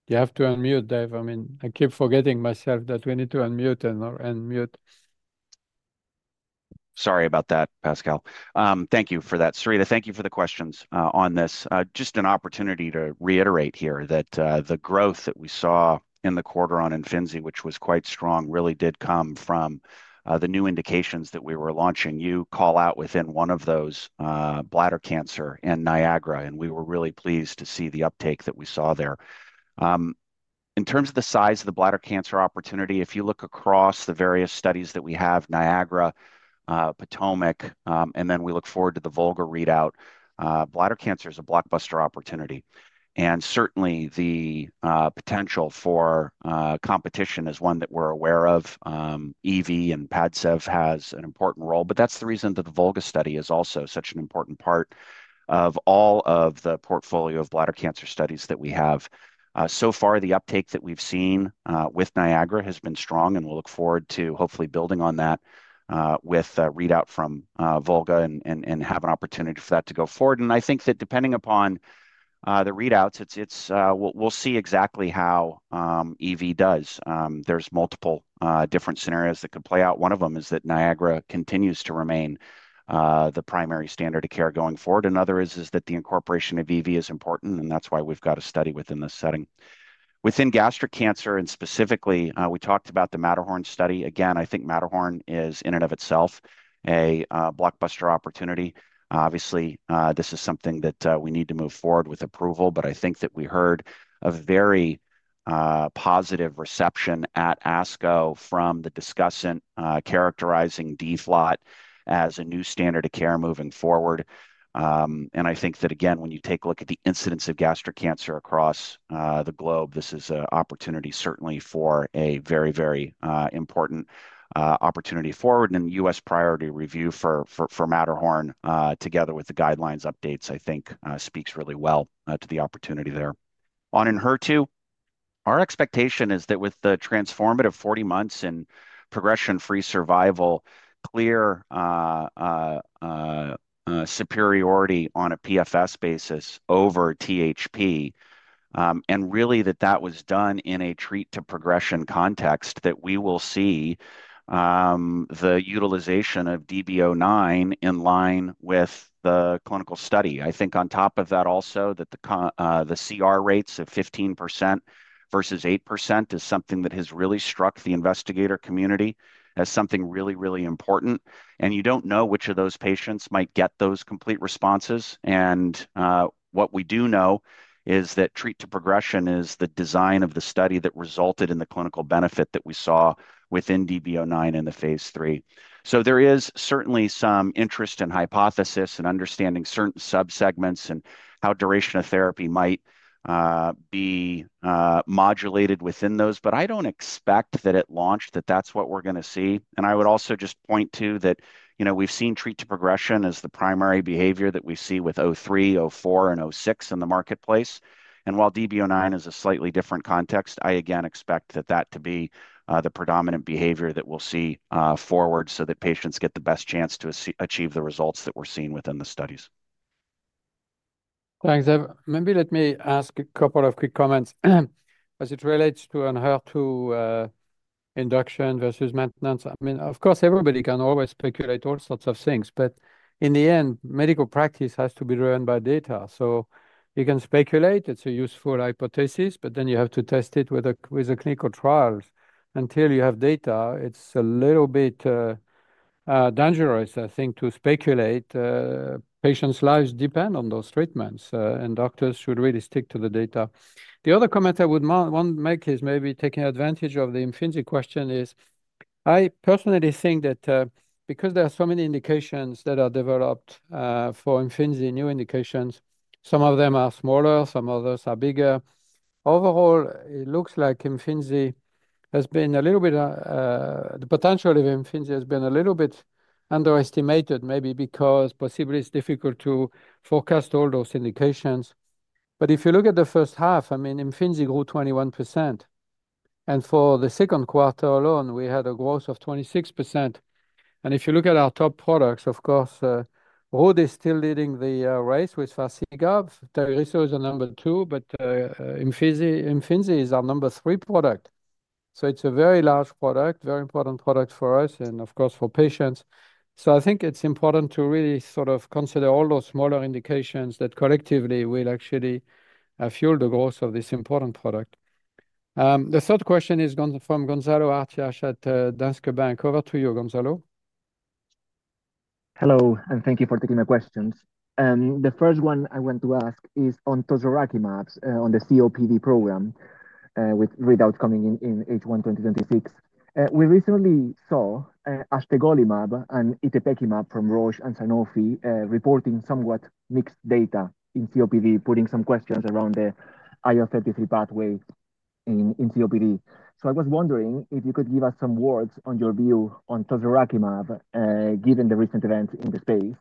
You have to unmute, Dave. I mean, I keep forgetting myself that we need to unmute and unmute. Sorry about that, Pascal. Thank you for that. Sarita, thank you for the questions on this. Just an opportunity to reiterate here that the growth that we saw in the quarter on IMFINZI, which was quite strong, really did come from the new indications that we were launching. You call out within one of those, bladder cancer and NIAGARA. And we were really pleased to see the uptake that we saw there. In terms of the size of the bladder cancer opportunity, if you look across the various studies that we have, NIAGARA, POTOMAC, and then we look forward to the VOLGA readout, bladder cancer is a blockbuster opportunity. Certainly, the potential for competition is one that we're aware of. EV and PADSEV has an important role. That is the reason that the VOLGA study is also such an important part of all of the portfolio of bladder cancer studies that we have. So far, the uptake that we've seen with NIAGARA has been strong, and we'll look forward to hopefully building on that with readout from VOLGA and have an opportunity for that to go forward. I think that depending upon the readouts, we'll see exactly how EV does. There are multiple different scenarios that could play out. One of them is that NIAGARA continues to remain the primary standard of care going forward. Another is that the incorporation of EV is important, and that is why we've got a study within this setting. Within gastric cancer, and specifically, we talked about the MATTERHORN study. Again, I think MATTERHORN is in and of itself a blockbuster opportunity. Obviously, this is something that we need to move forward with approval, but I think that we heard a very positive reception at ASCO from the discussion characterizing DFLOT as a new standard of care moving forward. I think that, again, when you take a look at the incidence of gastric cancer across the globe, this is an opportunity certainly for a very, very important opportunity forward. The U.S. priority review for MATTERHORN, together with the guidelines updates, I think speaks really well to the opportunity there. On ENHERTU, our expectation is that with the transformative 40 months and progression-free survival, clear superiority on a PFS basis over THP, and really that that was done in a treat-to-progression context, we will see the utilization of DB09 in line with the clinical study. I think on top of that also, that the CR rates of 15% versus 8% is something that has really struck the investigator community as something really, really important. You do not know which of those patients might get those complete responses. What we do know is that treat-to-progression is the design of the study that resulted in the clinical benefit that we saw within DB09 in the phase III. There is certainly some interest and hypothesis and understanding certain subsegments and how duration of therapy might be modulated within those. I do not expect that at launch that that is what we are going to see. I would also just point to that we have seen treat-to-progression as the primary behavior that we see with O3, O4, and O6 in the marketplace. While DB09 is a slightly different context, I again expect that to be the predominant behavior that we'll see forward so that patients get the best chance to achieve the results that we're seeing within the studies. Thanks, Dave. Maybe let me ask a couple of quick comments as it relates to ENHERTU induction versus maintenance. I mean, of course, everybody can always speculate all sorts of things, but in the end, medical practice has to be driven by data. You can speculate. It's a useful hypothesis, but then you have to test it with clinical trials. Until you have data, it's a little bit dangerous, I think, to speculate. Patients' lives depend on those treatments, and doctors should really stick to the data. The other comment I would want to make is maybe taking advantage of the IMFINZI question is I personally think that because there are so many indications that are developed for IMFINZI, new indications, some of them are smaller, some others are bigger. Overall, it looks like IMFINZI has been a little bit, the potential of IMFINZI has been a little bit underestimated, maybe because possibly it's difficult to forecast all those indications. If you look at the first half, I mean, Imfinzi grew 21%. For the second quarter alone, we had a growth of 26%. If you look at our top products, of course, Rare Disease is still leading the race with Farxiga. TAGRISSO is number two, but IMFINZI is our number three product. It is a very large product, very important product for us and, of course, for patients. I think it's important to really sort of consider all those smaller indications that collectively will actually fuel the growth of this important product. The third question is from Gonzalo Artiach at Danske Bank. Over to you, Gonzalo. Hello, and thank you for taking my questions. The first one I want to ask is on tozoracimab on the COPD program with readouts coming in H1 2026. We recently saw astegolimab and itepekimab from Roche and Sanofi reporting somewhat mixed data in COPD, putting some questions around the IL-33 pathway in COPD. I was wondering if you could give us some words on your view on tozoracimab given the recent events in the space.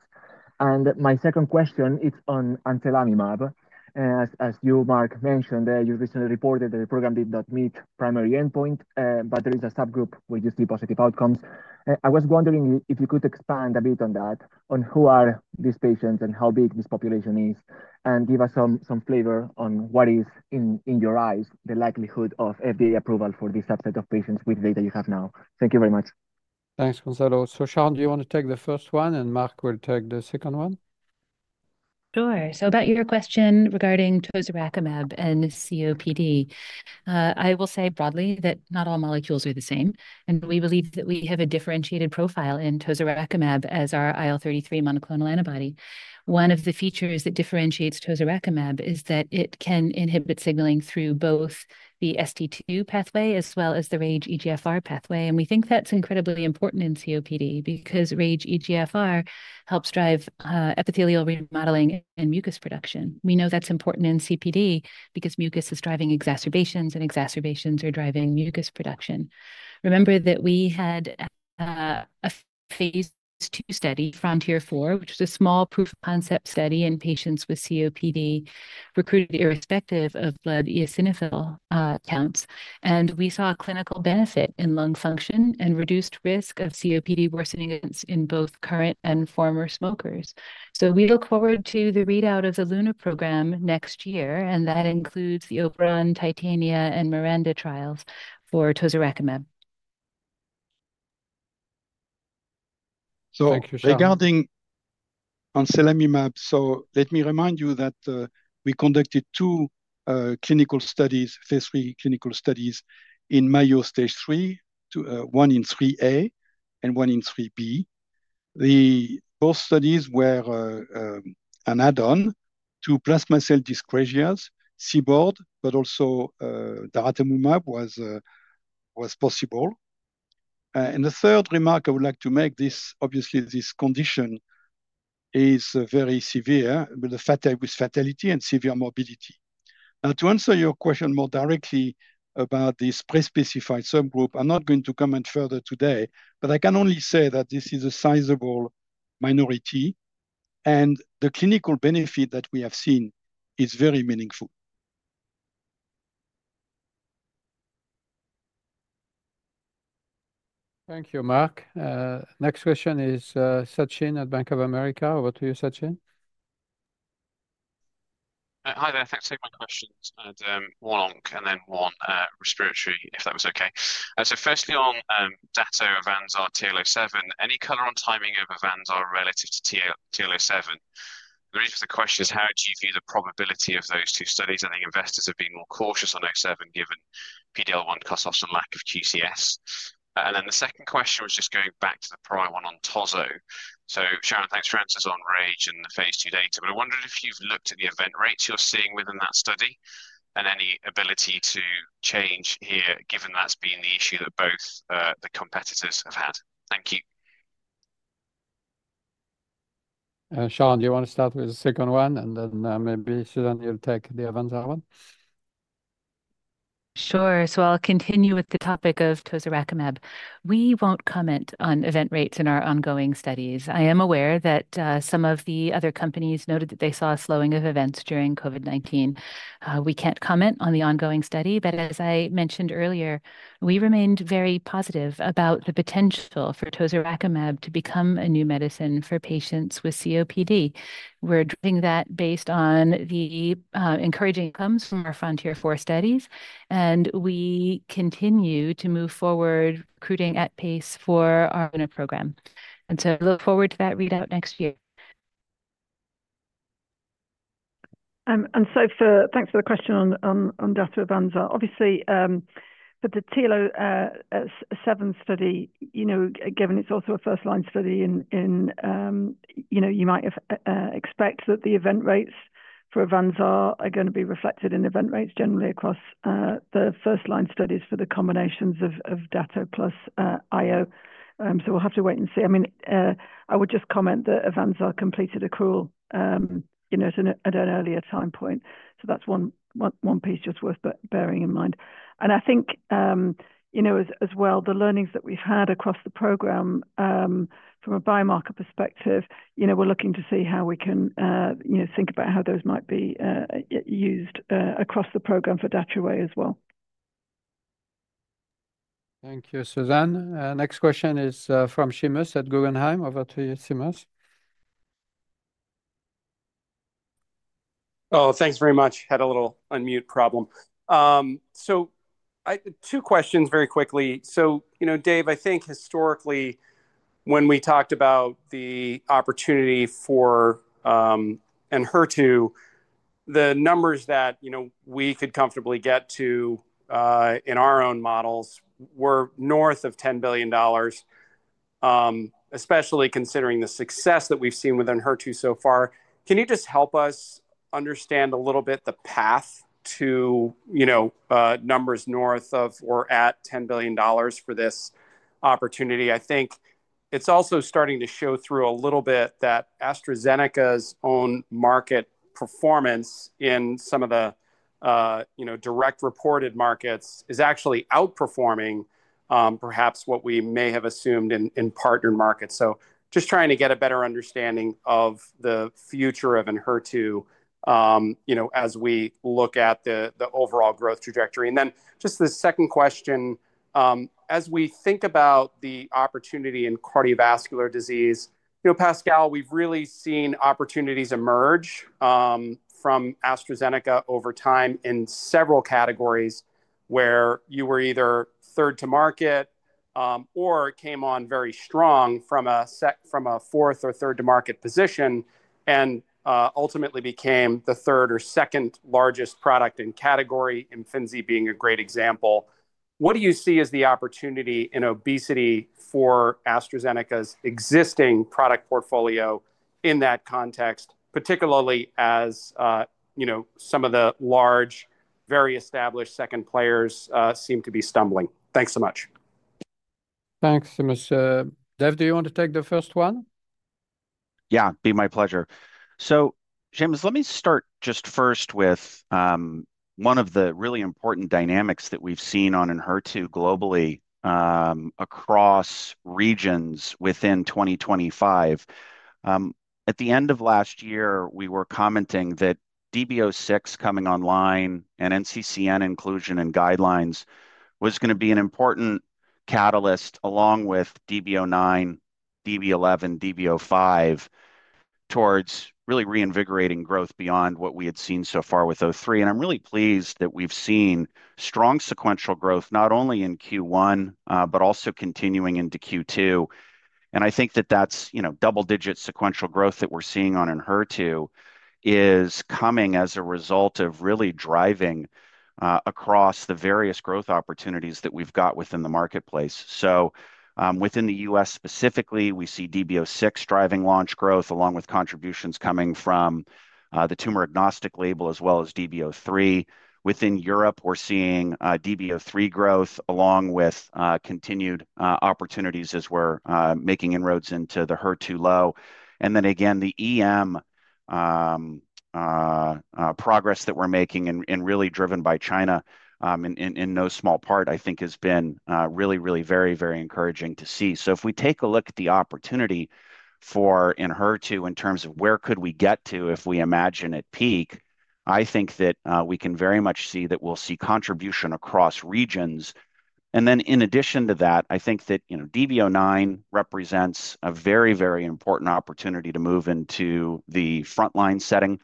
My second question, it's on ancelamimab. As you, Mark, mentioned, you recently reported that the program did not meet primary endpoint, but there is a subgroup where you see positive outcomes. I was wondering if you could expand a bit on that, on who are these patients and how big this population is, and give us some flavor on what is, in your eyes, the likelihood of FDA approval for this subset of patients with data you have now. Thank you very much. Thanks, Gonzalo. Susan, do you want to take the first one, and Mark will take the second one? Sure. About your question regarding tozoracimab and COPD, I will say broadly that not all molecules are the same. We believe that we have a differentiated profile in tozoracimab as our IL-33 monoclonal antibody. One of the features that differentiates tozoracimab is that it can inhibit signaling through both the ST2 pathway as well as the RAGE EGFR pathway. We think that's incredibly important in COPD because RAGE EGFR helps drive epithelial remodeling and mucus production. We know that's important in COPD because mucus is driving exacerbations, and exacerbations are driving mucus production. Remember that we had a phase II study, FRONTIER-4, which was a small proof of concept study in patients with COPD recruited irrespective of blood eosinophil counts. We saw a clinical benefit in lung function and reduced risk of COPD worsening in both current and former smokers. We look forward to the readout of the LUNA program next year, and that includes the OBERON, TITANIA, and MIRANDA trials for tozoracimab. Regarding ancelamimab, let me remind you that we conducted two clinical studies, phase III clinical studies in Mayo stage III, one in III-A and one in III-B. Both studies were an add-on to plasma cell dyscrasias, CyBorD, but also daratumumab was possible. The third remark I would like to make, obviously, this condition is very severe with fatality and severe morbidity. To answer your question more directly about this pre-specified subgroup, I'm not going to comment further today, but I can only say that this is a sizable minority. The clinical benefit that we have seen is very meaningful. Thank you, Mark. Next question is Sachin at Bank of America. Over to you, Sachin. Hi there. Thanks for taking my questions. One on and then one respiratory, if that was okay. Firstly, on DATO, AVANZAR TL07, any color on timing of AVANZAR relative to TL07? The reason for the question is, how do you view the probability of those two studies? I think investors are being more cautious on 07 given PD-L1 cost loss and lack of QCS. The second question was just going back to the prior one on Tozo. Sharon, thanks for answers on RAGE and the phase II data. I wondered if you've looked at the event rates you're seeing within that study and any ability to change here, given that's been the issue that both the competitors have had. Thank you. Sharon, do you want to start with the second one? And then maybe Susan, you'll take the AVANZAR one. Sure. I'll continue with the topic of tozoracimab. We won't comment on event rates in our ongoing studies. I am aware that some of the other companies noted that they saw a slowing of events during COVID-19. We can't comment on the ongoing study. As I mentioned earlier, we remained very positive about the potential for tozoracimab to become a new medicine for patients with COPD. We're doing that based on the encouraging outcomes from our FRONTIER-4 studies. We continue to move forward recruiting at pace for our [LUNA] program. I look forward to that readout next year. Thanks for the question on DATO, AVANZAR. Obviously, for the TL07 study, given it's also a first-line study, you might expect that the event rates for AVANZAR are going to be reflected in event rates generally across the first-line studies for the combinations of Datroway plus IO. We'll have to wait and see. I mean, I would just comment that AVANZAR completed accrual at an earlier time point. That's one piece just worth bearing in mind. I think as well, the learnings that we've had across the program from a biomarker perspective, we're looking to see how we can think about how those might be used across the program for Datroway as well. Thank you, Susan. Next question is from Seamus at Guggenheim. Over to you, Seamus. Oh, thanks very much. Had a little unmute problem. Two questions very quickly. Dave, I think historically, when we talked about the opportunity for ENHERTU, the numbers that we could comfortably get to in our own models were north of $10 billion, especially considering the success that we've seen with ENHERTU so far. Can you just help us understand a little bit the path to numbers north of or at $10 billion for this opportunity? I think it's also starting to show through a little bit that AstraZeneca's own market performance in some of the direct reported markets is actually outperforming perhaps what we may have assumed in partner markets. Just trying to get a better understanding of the future of ENHERTU as we look at the overall growth trajectory. Just the second question, as we think about the opportunity in cardiovascular disease, Pascal, we've really seen opportunities emerge from AstraZeneca over time in several categories where you were either third to market or it came on very strong from a fourth or third to market position and ultimately became the third or second largest product in category, IMFINZI being a great example. What do you see as the opportunity in obesity for AstraZeneca's existing product portfolio in that context, particularly as some of the large, very established second players seem to be stumbling? Thanks so much. Thanks, Seamus. Dave, do you want to take the first one? Yeah, it'd be my pleasure. Seamus, let me start just first with one of the really important dynamics that we've seen on ENHERTU globally across regions within 2025. At the end of last year, we were commenting that DB06 coming online and NCCN inclusion and guidelines was going to be an important catalyst along with DB09, DB11, DB05 towards really reinvigorating growth beyond what we had seen so far with 03. I'm really pleased that we've seen strong sequential growth not only in Q1, but also continuing into Q2. I think that that double-digit sequential growth that we're seeing on ENHERTU is coming as a result of really driving across the various growth opportunities that we've got within the marketplace. Within the U.S. specifically, we see DB06 driving launch growth along with contributions coming from the tumor agnostic label as well as DB03. Within Europe, we're seeing DB03 growth along with continued opportunities as we're making inroads into the HER2 low. The EM progress that we're making and really driven by China in no small part, I think, has been really, really very, very encouraging to see. If we take a look at the opportunity for ENHERTU in terms of where could we get to if we imagine it peak, I think that we can very much see that we'll see contribution across regions. In addition to that, I think that DB09 represents a very, very important opportunity to move into the frontline setting.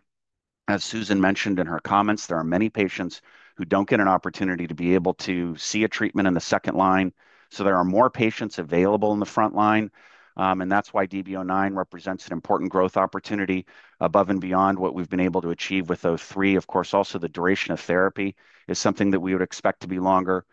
As Susan mentioned in her comments, there are many patients who don't get an opportunity to be able to see a treatment in the second line. There are more patients available in the frontline. That is why DB09 represents an important growth opportunity above and beyond what we've been able to achieve with 03. Of course, also the duration of therapy is something that we would expect to be longer.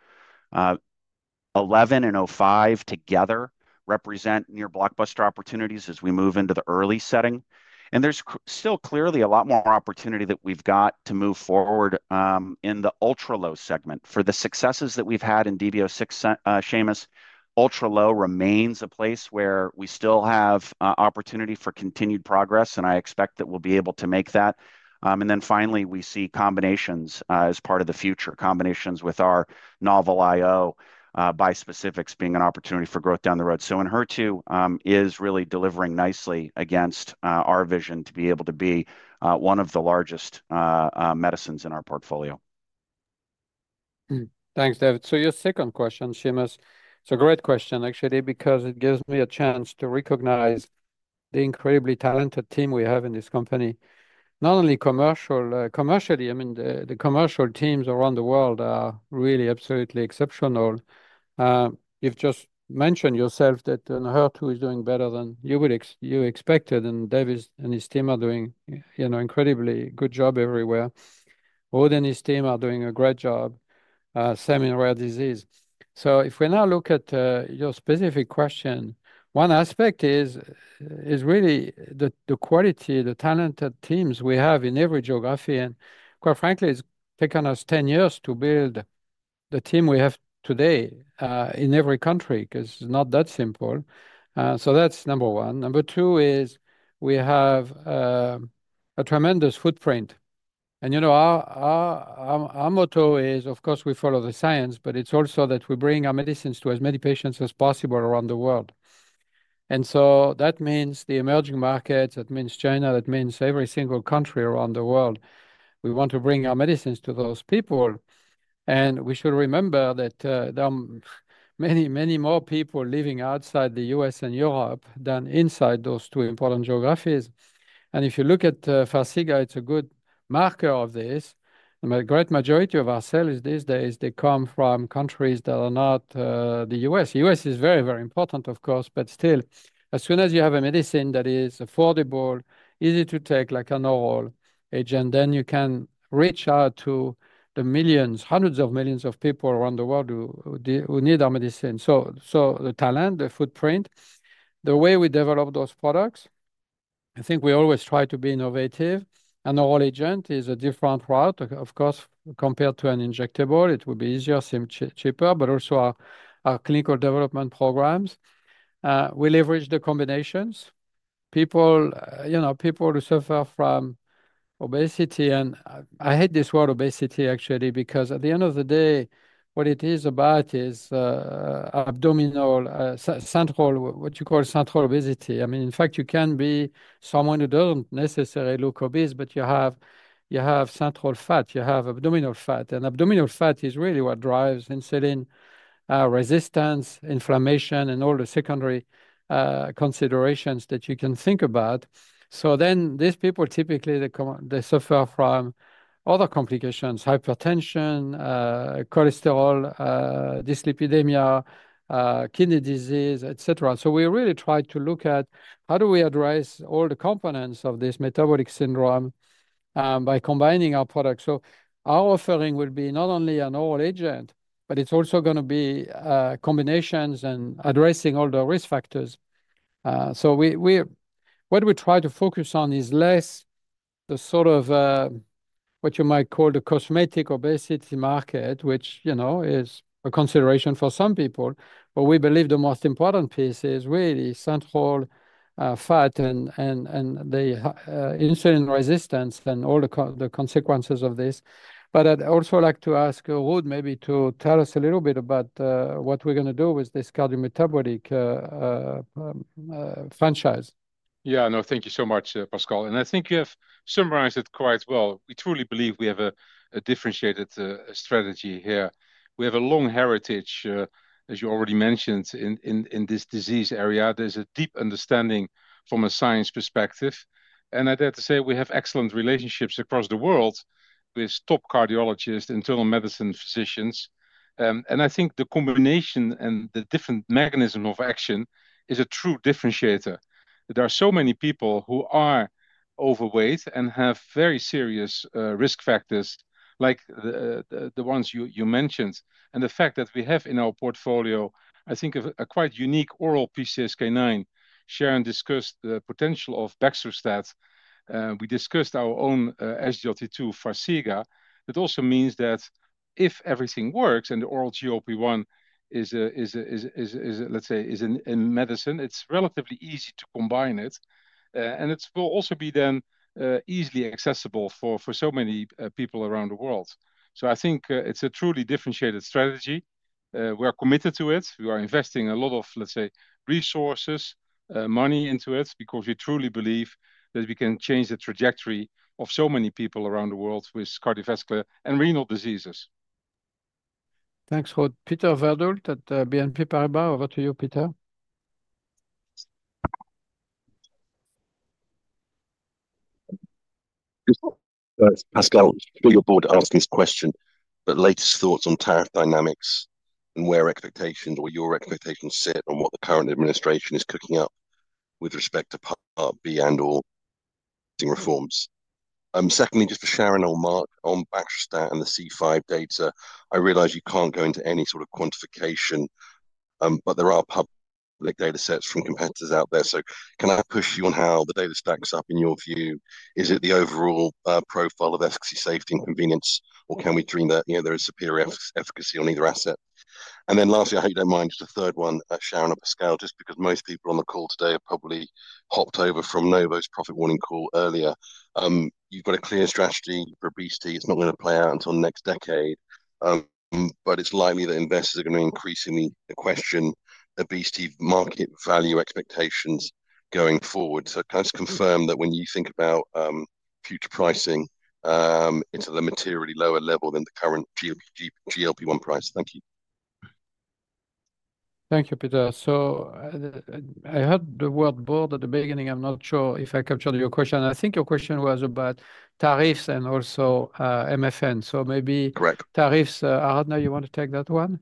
11 and 05 together represent near-blockbuster opportunities as we move into the early setting. There is still clearly a lot more opportunity that we've got to move forward in the ultra-low segment. For the successes that we've had in DB06, Seamus, ultra-low remains a place where we still have opportunity for continued progress. I expect that we'll be able to make that. Finally, we see combinations as part of the future, combinations with our novel IO by specifics being an opportunity for growth down the road. ENHERTU is really delivering nicely against our vision to be able to be one of the largest medicines in our portfolio. Thanks, David. Your second question, Seamus, it's a great question, actually, because it gives me a chance to recognize the incredibly talented team we have in this company. Not only commercially, I mean, the commercial teams around the world are really absolutely exceptional. You just mentioned yourself that ENHERTU is doing better than you expected. And Dave and his team are doing an incredibly good job everywhere. Ruud and his team are doing a great job, same in rare disease. If we now look at your specific question, one aspect is really the quality, the talented teams we have in every geography. Quite frankly, it's taken us 10 years to build the team we have today in every country because it's not that simple. That's number one. Number two is we have a tremendous footprint. You know our motto is, of course, we follow the science, but it's also that we bring our medicines to as many patients as possible around the world. That means the emerging markets, that means China, that means every single country around the world. We want to bring our medicines to those people. We should remember that there are many, many more people living outside the U.S. and Europe than inside those two important geographies. If you look at FARXIGA, it's a good marker of this. The great majority of our sales these days come from countries that are not the U.S. The U.S. is very, very important, of course, but still, as soon as you have a medicine that is affordable, easy to take, like an oral agent, then you can reach out to the millions, hundreds of millions of people around the world who need our medicine. So the talent, the footprint, the way we develop those products, I think we always try to be innovative. An oral agent is a different route, of course, compared to an injectable. It will be easier, cheaper, but also our clinical development programs. We leverage the combinations. People who suffer from obesity, and I hate this word obesity, actually, because at the end of the day, what it is about is central, what you call central obesity. I mean, in fact, you can be someone who does not necessarily look obese, but you have central fat, you have abdominal fat. Abdominal fat is really what drives insulin resistance, inflammation, and all the secondary considerations that you can think about. These people typically, they suffer from other complications, hypertension, cholesterol, dyslipidemia, kidney disease, et cetera. We really try to look at how do we address all the components of this metabolic syndrome by combining our products. Our offering will be not only a Norol agent, but it's also going to be combinations and addressing all the risk factors. What we try to focus on is less the sort of what you might call the cosmetic obesity market, which is a consideration for some people. We believe the most important piece is really central fat and the insulin resistance and all the consequences of this. I'd also like to ask Ruud maybe to tell us a little bit about what we're going to do with this cardiometabolic franchise. Yeah, no, thank you so much, Pascal. I think you have summarized it quite well. We truly believe we have a differentiated strategy here. We have a long heritage, as you already mentioned, in this disease area. There's a deep understanding from a science perspective. I dare to say we have excellent relationships across the world with top cardiologists, internal medicine physicians. I think the combination and the different mechanism of action is a true differentiator. There are so many people who are overweight and have very serious risk factors like the ones you mentioned. The fact that we have in our portfolio, I think, a quite unique oral PCSK9. Sharon discussed the potential of baxdrostat. We discussed our own SGLT2 FARXIGA. It also means that if everything works and the oral GLP-1 is, let's say, a medicine, it's relatively easy to combine it. It will also be then easily accessible for so many people around the world. I think it's a truly differentiated strategy. We are committed to it. We are investing a lot of, let's say, resources, money into it because we truly believe that we can change the trajectory of so many people around the world with cardiovascular and renal diseases. Thanks, Ruud. Peter Verdult at BNP Paribas. Over to you, Peter. It's Pascal. I'm sure you're bored to ask this question, but latest thoughts on tariff dynamics and where expectations or your expectations sit on what the current administration is cooking up with respect to Part B and/or reforms. Secondly, just for Sharon or Mark on baxdrostat and the C5 data, I realize you can't go into any sort of quantification, but there are public data sets from competitors out there. Can I push you on how the data stacks up in your view? Is it the overall profile of efficacy, safety, and convenience, or can we dream that there is superior efficacy on either asset? Lastly, I hope you don't mind just a third one, Sharon or Pascal, just because most people on the call today have probably hopped over from Novo's profit warning call earlier. You've got a clear strategy for obesity. It's not going to play out until next decade, but it's likely that investors are going to increasingly question obesity market value expectations going forward. Can I just confirm that when you think about future pricing, it's at a materially lower level than the current GLP-1 price? Thank you. Thank you, Peter. I heard the word bored at the beginning. I'm not sure if I captured your question. I think your question was about tariffs and also MFN. Maybe tariffs, Aradhana, you want to take that one?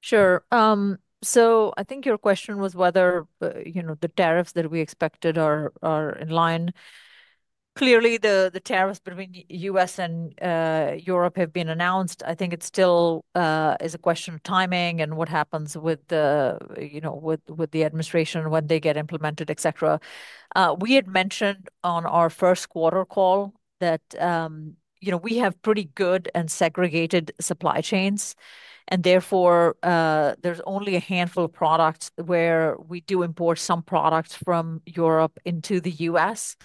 Sure. I think your question was whether the tariffs that we expected are in line. Clearly, the tariffs between the U.S. and Europe have been announced. I think it still is a question of timing and what happens with the administration when they get implemented, et cetera. We had mentioned on our first quarter call that we have pretty good and segregated supply chains. Therefore, there's only a handful of products where we do import some products from Europe into the U.S.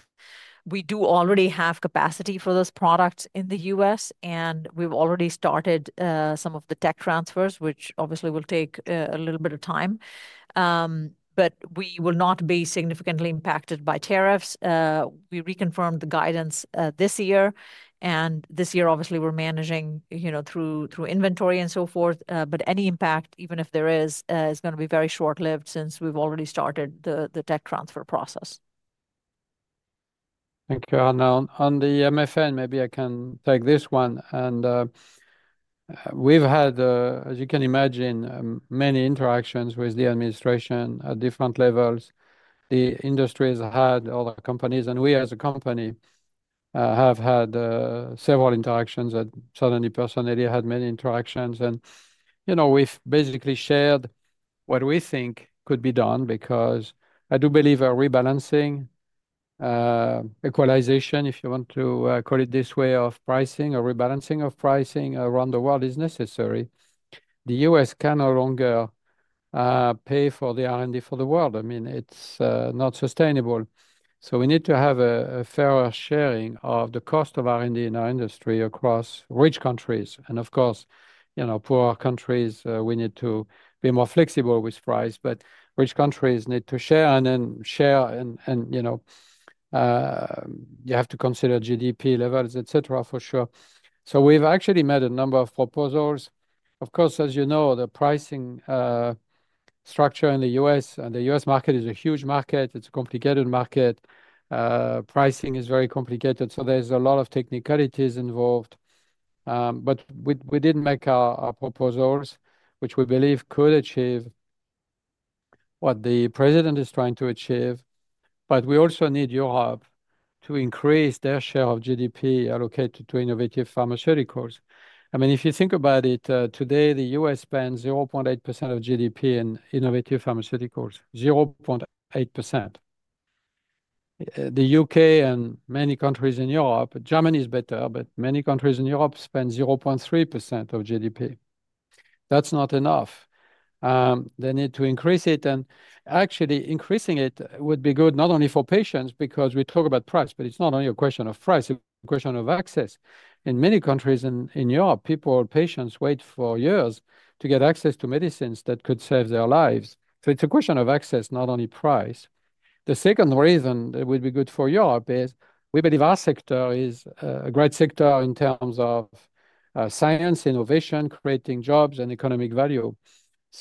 We do already have capacity for those products in the U.S., and we've already started some of the tech transfers, which obviously will take a little bit of time. We will not be significantly impacted by tariffs. We reconfirmed the guidance this year. This year, obviously, we're managing through inventory and so forth. Any impact, even if there is, is going to be very short-lived since we've already started the tech transfer process. Thank you. On the MFN, maybe I can take this one. We've had, as you can imagine, many interactions with the administration at different levels. The industry has had other companies, and we as a company have had several interactions. I personally had many interactions. We've basically shared what we think could be done because I do believe a rebalancing, equalization, if you want to call it this way, of pricing, a rebalancing of pricing around the world is necessary. The U.S. can no longer pay for the R&D for the world. I mean, it's not sustainable. We need to have a fair sharing of the cost of R&D in our industry across rich countries. Of course, poorer countries, we need to be more flexible with price. Rich countries need to share and then share. You have to consider GDP levels, et cetera, for sure. We've actually made a number of proposals. Of course, as you know, the pricing structure in the U.S. and the U.S. market is a huge market. It's a complicated market. Pricing is very complicated. There's a lot of technicalities involved. We did make our proposals, which we believe could achieve what the president is trying to achieve. We also need Europe to increase their share of GDP allocated to innovative pharmaceuticals. I mean, if you think about it, today, the U.S. spends 0.8% of GDP in innovative pharmaceuticals, 0.8%. The U.K. and many countries in Europe, Germany is better, but many countries in Europe spend 0.3% of GDP. That's not enough. They need to increase it. Actually, increasing it would be good not only for patients because we talk about price, but it's not only a question of price. It's a question of access. In many countries in Europe, people, patients wait for years to get access to medicines that could save their lives. It's a question of access, not only price. The second reason it would be good for Europe is we believe our sector is a great sector in terms of science, innovation, creating jobs, and economic value.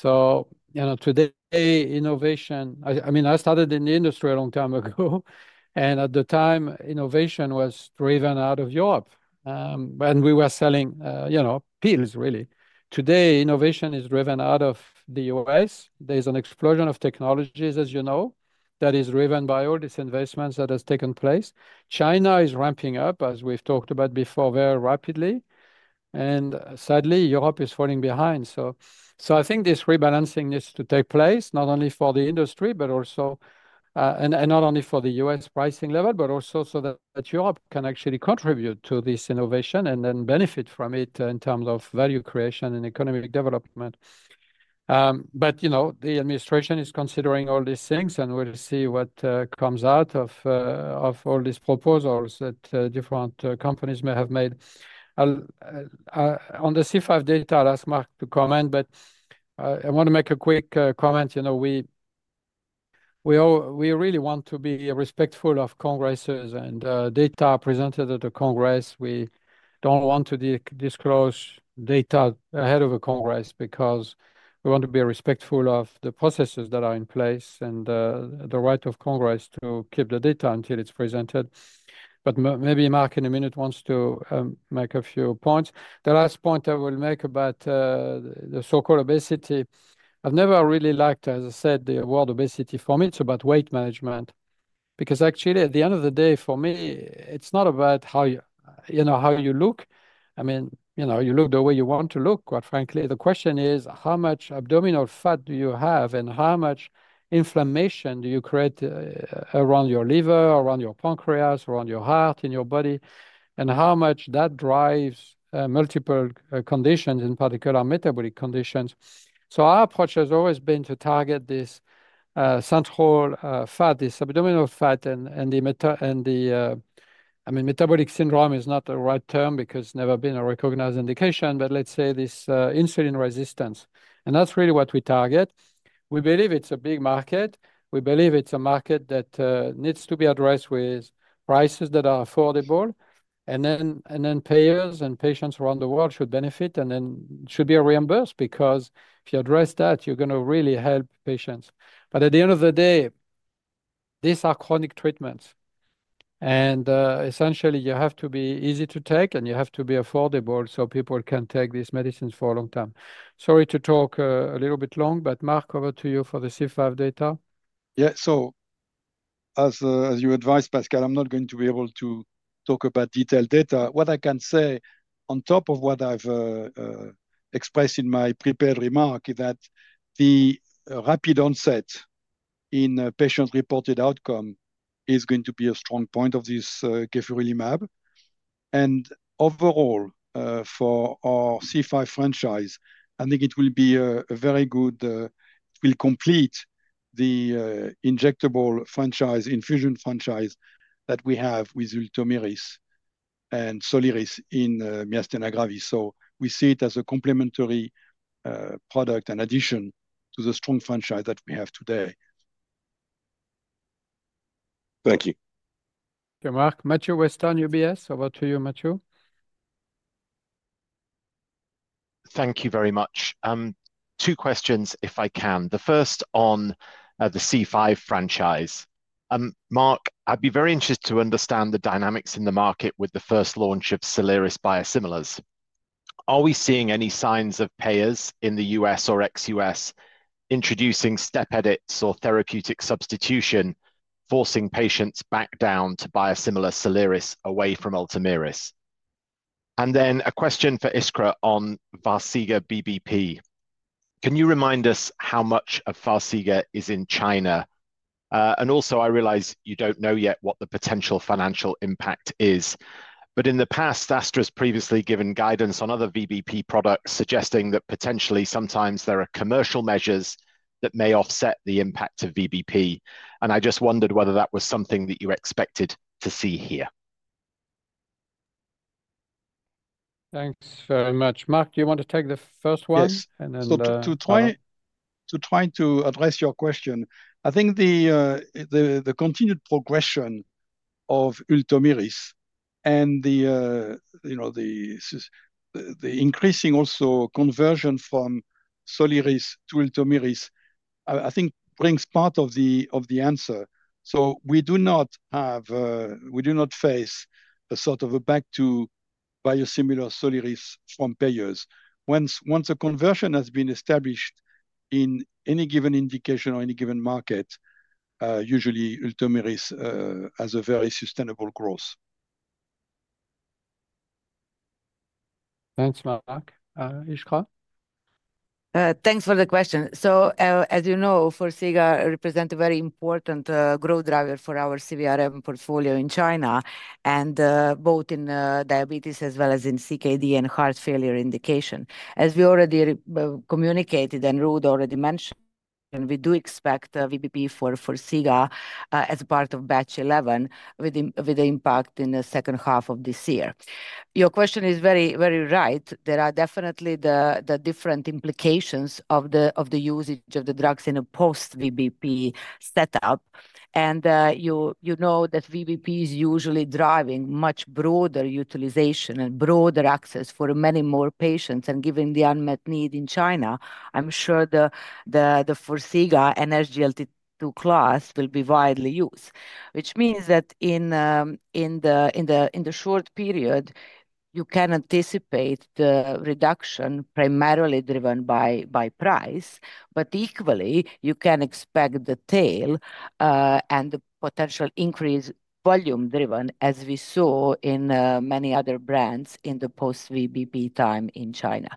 Today, innovation, I mean, I started in the industry a long time ago. At the time, innovation was driven out of Europe. We were selling pills, really. Today, innovation is driven out of the US. There's an explosion of technologies, as you know, that is driven by all these investments that have taken place. China is ramping up, as we've talked about before, very rapidly. Sadly, Europe is falling behind. I think this rebalancing needs to take place not only for the industry, but also not only for the U.S. pricing level, but also so that Europe can actually contribute to this innovation and then benefit from it in terms of value creation and economic development. The administration is considering all these things, and we'll see what comes out of all these proposals that different companies may have made. On the C5 data, I'll ask Mark to comment, but I want to make a quick comment. We really want to be respectful of Congresses and data presented at the Congress. We do not want to disclose data ahead of a Congress because we want to be respectful of the processes that are in place and the right of Congress to keep the data until it is presented. Maybe Mark in a minute wants to make a few points. The last point I will make about the so-called obesity. I have never really liked, as I said, the word obesity for me. It is about weight management. Because actually, at the end of the day, for me, it is not about how you look. I mean, you look the way you want to look, quite frankly. The question is, how much abdominal fat do you have and how much inflammation do you create around your liver, around your pancreas, around your heart, in your body, and how much that drives multiple conditions, in particular metabolic conditions. Our approach has always been to target this central fat, this abdominal fat, and the, I mean, metabolic syndrome is not the right term because it's never been a recognized indication, but let's say this insulin resistance. That's really what we target. We believe it's a big market. We believe it's a market that needs to be addressed with prices that are affordable. Payers and patients around the world should benefit, and it should be reimbursed because if you address that, you're going to really help patients. At the end of the day, these are chronic treatments. Essentially, you have to be easy to take, and you have to be affordable so people can take these medicines for a long time. Sorry to talk a little bit long, but Mark, over to you for the C5 data. Yeah, as you advised, Pascal, I'm not going to be able to talk about detailed data. What I can say on top of what I've expressed in my prepared remark is that the rapid onset in patient-reported outcome is going to be a strong point of this gefurulimab. Overall, for our C5 franchise, I think it will be very good, it will complete the injectable franchise, infusion franchise that we have with ULTOMIRIS and SOLIRIS in myasthenia gravis. We see it as a complementary product and addition to the strong franchise that we have today. Thank you. Okay, Mark, Matthew Weston, UBS. Over to you, Matthew. Thank you very much. Two questions, if I can. The first on the C5 franchise. Mark, I'd be very interested to understand the dynamics in the market with the first launch of SOLIRIS biosimilars. Are we seeing any signs of payers in the U.S. or ex-U.S. introducing step edits or therapeutic substitution, forcing patients back down to biosimilar SOLIRIS away from ULTOMIRIS? A question for Iskra on Farxiga VBP. Can you remind us how much of Farxiga is in China? Also, I realize you don't know yet what the potential financial impact is. In the past, AstraZeneca has previously given guidance on other VBP products, suggesting that potentially sometimes there are commercial measures that may offset the impact of VBP. I just wondered whether that was something that you expected to see here. Thanks very much. Mark, do you want to take the first one? Yes. To try to address your question, I think the continued progression of ULTOMIRIS and the increasing also conversion from SOLIRIS to ULTOMIRIS, I think, brings part of the answer. We do not face a sort of a back-to-biosimilar SOLIRIS from payers. Once a conversion has been established in any given indication or any given market, usually ULTOMIRIS has a very sustainable growth. Thanks, Mark. Iskra? Thanks for the question. As you know, FARIXGA represents a very important growth driver for our CVRM portfolio in China, both in diabetes as well as in CKD and heart failure indication. As we already communicated and Ruud already mentioned, we do expect VBP for FARIXGA as part of batch 11 with the impact in the second half of this year. Your question is very right. There are definitely the different implications of the usage of the drugs in a post-VBP setup. You know that VBP is usually driving much broader utilization and broader access for many more patients and given the unmet need in China. I'm sure the FARIXGA and SGLT2 class will be widely used, which means that in the short period, you can anticipate the reduction primarily driven by price. Equally, you can expect the tail and the potential increase volume-driven, as we saw in many other brands in the post-VBP time in China.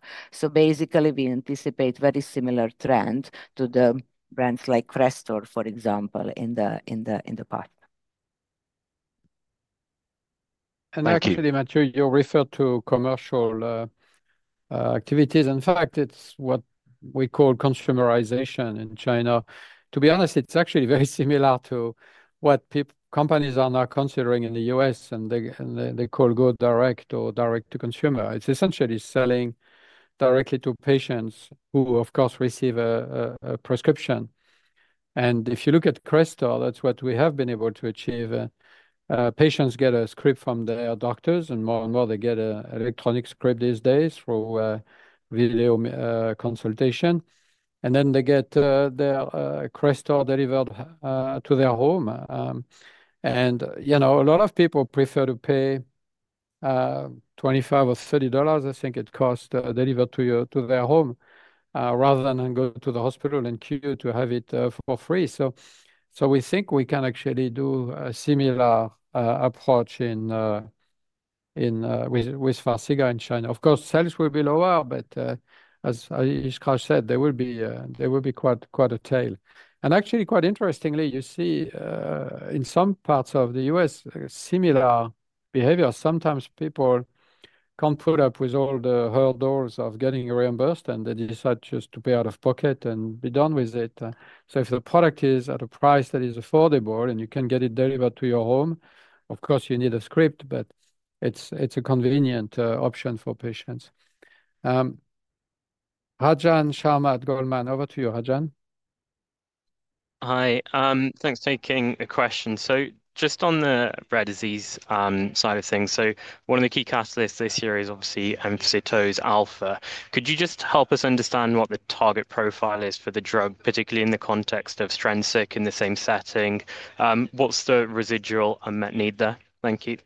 Basically, we anticipate a very similar trend to the brands like Crestor, for example, in the past. Actually, Matthew, you referred to commercial activities. In fact, it's what we call consumerization in China. To be honest, it's actually very similar to what companies are now considering in the U.S., and they call go direct or direct-to-consumer. It's essentially selling directly to patients who, of course, receive a prescription. If you look at Crestor, that's what we have been able to achieve. Patients get a script from their doctors, and more and more, they get an electronic script these days through video consultation. They get their Crestor delivered to their home. A lot of people prefer to pay $25 or $30, I think it costs, delivered to their home, rather than go to the hospital and queue to have it for free. We think we can actually do a similar approach with FARXIGA in China. Of course, sales will be lower, but as Iskra said, there will be quite a tail. Actually, quite interestingly, you see in some parts of the U.S., similar behavior. Sometimes people can't put up with all the hurdles of getting reimbursed, and they decide just to pay out of pocket and be done with it. If the product is at a price that is affordable and you can get it delivered to your home, of course, you need a script, but it's a convenient option for patients. Rajan Sharma at Goldman, over to you, Rajan. Hi. Thanks for taking the question. Just on the rare disease side of things, one of the key catalysts this year is obviously asofotase alfa. Could you just help us understand what the target profile is for the drug, particularly in the context of STRENSIQ in the same setting? What's the residual unmet need there? Thank you.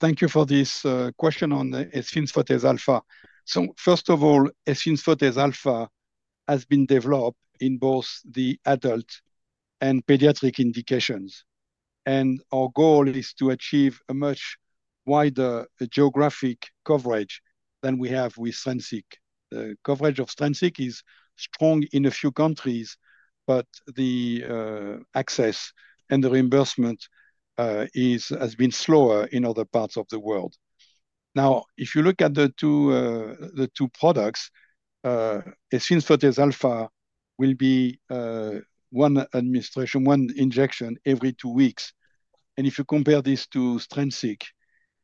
Thank you for this question on the asofotase alfa. First of all, asofotase alfa has been developed in both the adult and pediatric indications. Our goal is to achieve a much wider geographic coverage than we have with STRENSIQ. The coverage of STRENSIQ is strong in a few countries, but the access and the reimbursement has been slower in other parts of the world. Now, if you look at the two products, asofotase alfa will be one administration, one injection every two weeks. If you compare this to STRENSIQ,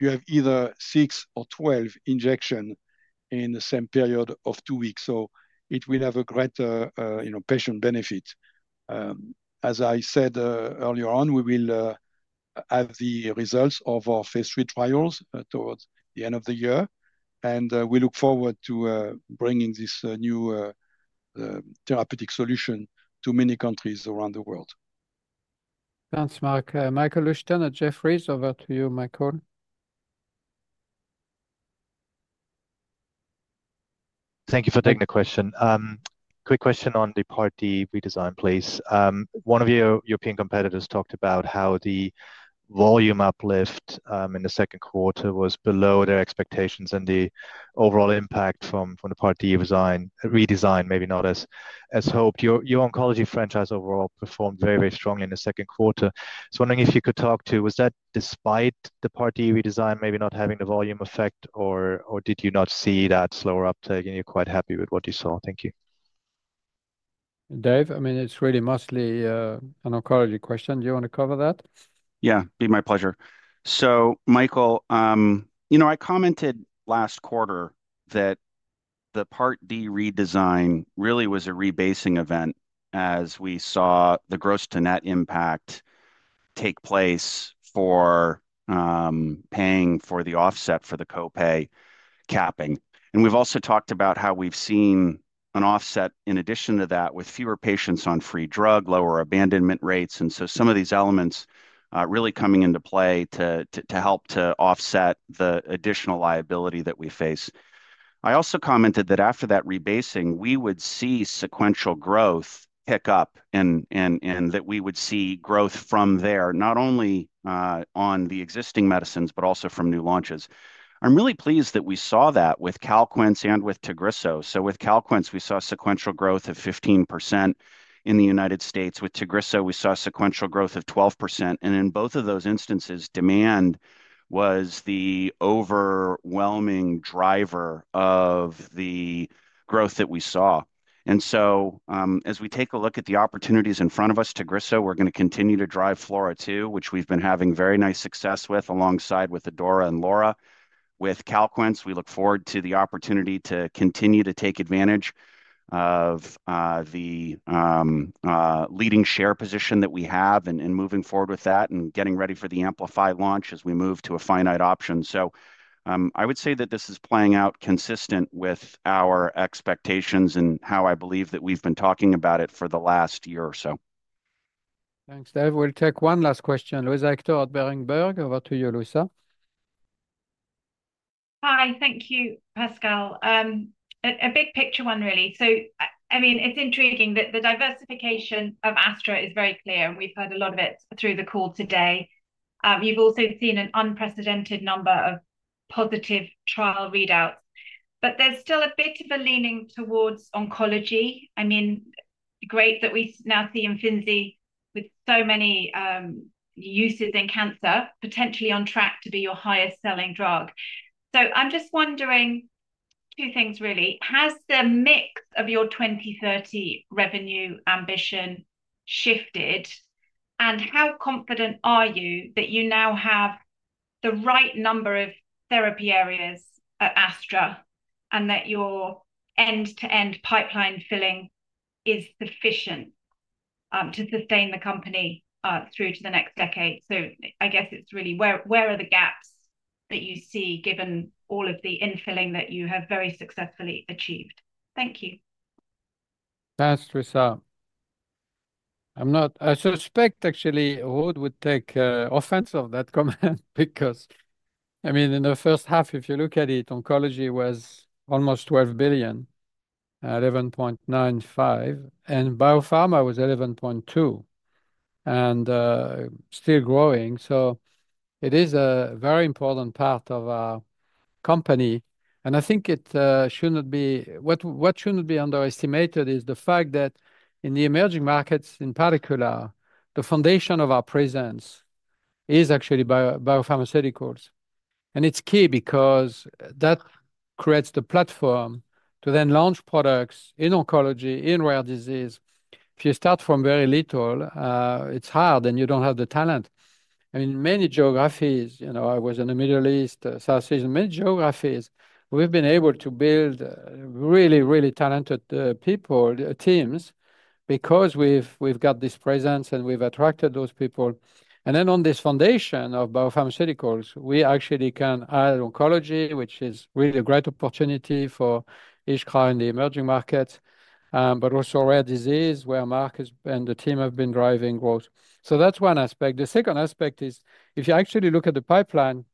you have either 6 or 12 injections in the same period of two weeks. It will have a greater patient benefit. As I said earlier on, we will have the results of our phase III trials towards the end of the year. We look forward to bringing this new therapeutic solution to many countries around the world. Thanks, Mark. Michael Leuchten at Jefferies, over to you, Michael. Thank you for taking the question. Quick question on the part D redesign, please. One of your European competitors talked about how the volume uplift in the second quarter was below their expectations and the overall impact from the part D redesign, maybe not as hoped. Your oncology franchise overall performed very, very strongly in the second quarter. I was wondering if you could talk to, was that despite the part D redesign maybe not having the volume effect, or did you not see that slower uptake and you're quite happy with what you saw? Thank you. Dave, I mean, it's really mostly an oncology question. Do you want to cover that? Yeah, it'd be my pleasure. So Michael, you know I commented last quarter that the Part D redesign really was a rebasing event as we saw the gross to net impact take place for paying for the offset for the copay capping. And we've also talked about how we've seen an offset in addition to that with fewer patients on free drug, lower abandonment rates, and so some of these elements really coming into play to help to offset the additional liability that we face. I also commented that after that rebasing, we would see sequential growth pick up and that we would see growth from there, not only on the existing medicines, but also from new launches. I'm really pleased that we saw that with CALQUENCE and with TAGRISSO. So with CALQUENCE, we saw sequential growth of 15% in the United States. With TAGRISSO, we saw sequential growth of 12%. In both of those instances, demand was the overwhelming driver of the growth that we saw. As we take a look at the opportunities in front of us, TAGRISSO, we're going to continue to drive FLAURA-2, which we've been having very nice success with alongside with ADAURA and LAURA. With CALQUENCE, we look forward to the opportunity to continue to take advantage of the leading share position that we have and moving forward with that and getting ready for the AMPLIFY launch as we move to a finite option. I would say that this is playing out consistent with our expectations and how I believe that we've been talking about it for the last year or so. Thanks, Dave. We'll take one last question. Luisa Hector at Berenberg, over to you, Luisa. Hi, thank you, Pascal. A big picture one, really. I mean, it's intriguing that the diversification of Astra is very clear, and we've heard a lot of it through the call today. You've also seen an unprecedented number of positive trial readouts. There's still a bit of a leaning towards oncology. I mean, great that we now see IMFINZI with so many uses in cancer, potentially on track to be your highest-selling drug. I'm just wondering two things, really. Has the mix of your 2030 revenue ambition shifted? How confident are you that you now have the right number of therapy areas at Astra and that your end-to-end pipeline filling is sufficient to sustain the company through to the next decade? I guess it's really, where are the gaps that you see given all of the infilling that you have very successfully achieved? Thank you. Thanks, Luisa. I suspect, actually, Ruud would take offense at that comment because, I mean, in the first half, if you look at it, oncology was almost $12 billion, $11.95 billion, and biopharma was $11.2 billion and still growing. It is a very important part of our company. I think what should not be underestimated is the fact that in the emerging markets, in particular, the foundation of our presence is actually biopharmaceuticals. It is key because that creates the platform to then launch products in oncology, in rare disease. If you start from very little, it is hard and you do not have the talent. I mean, many geographies, you know, I was in the Middle East, South Asia, many geographies, we have been able to build really, really talented teams because we have got this presence and we have attracted those people. On this foundation of biopharmaceuticals, we actually can add oncology, which is really a great opportunity for Iskra in the emerging markets, but also rare disease where Mark and the team have been driving growth. That is one aspect. The second aspect is if you actually look at the pipeline,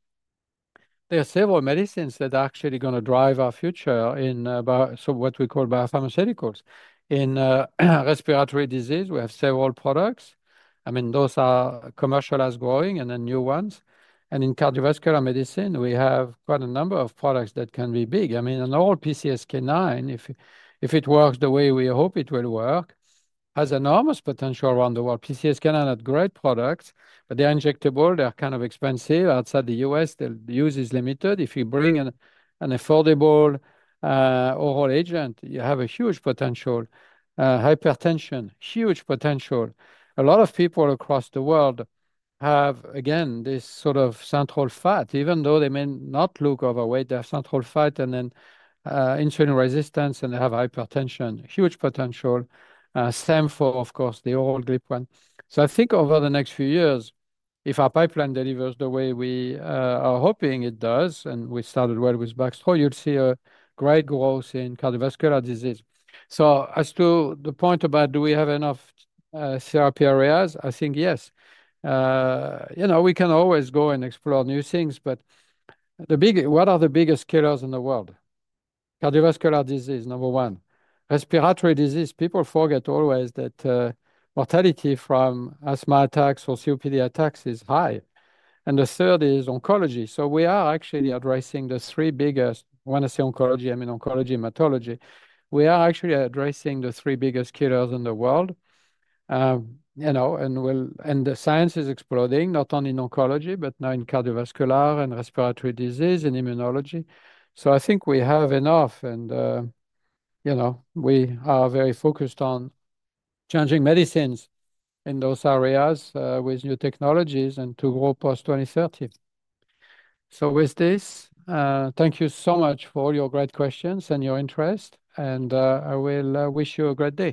there are several medicines that are actually going to drive our future in what we call biopharmaceuticals. In respiratory disease, we have several products. I mean, those are commercialized, growing, and then new ones. In cardiovascular medicine, we have quite a number of products that can be big. I mean, an oral PCSK9, if it works the way we hope it will work, has enormous potential around the world. PCSK9 had great products, but they are injectable. They are kind of expensive. Outside the U.S., the use is limited. If you bring an affordable oral agent, you have a huge potential. Hypertension, huge potential. A lot of people across the world have, again, this sort of central fat, even though they may not look overweight. They have central fat and then insulin resistance and they have hypertension. Huge potential. Same for, of course, the oral GLP-1. I think over the next few years, if our pipeline delivers the way we are hoping it does, and we started well with baxdrostat, you'll see a great growth in cardiovascular disease. As to the point about do we have enough therapy areas, I think yes. You know, we can always go and explore new things, but what are the biggest killers in the world? Cardiovascular disease, number one. Respiratory disease, people forget always that mortality from asthma attacks or COPD attacks is high. The third is oncology. We are actually addressing the three biggest, when I say oncology, I mean oncology, hematology. We are actually addressing the three biggest killers in the world. The science is exploding, not only in oncology, but now in cardiovascular and respiratory disease and immunology. I think we have enough. You know, we are very focused on changing medicines in those areas with new technologies and to grow past 2030. With this, thank you so much for all your great questions and your interest. I will wish you a great day.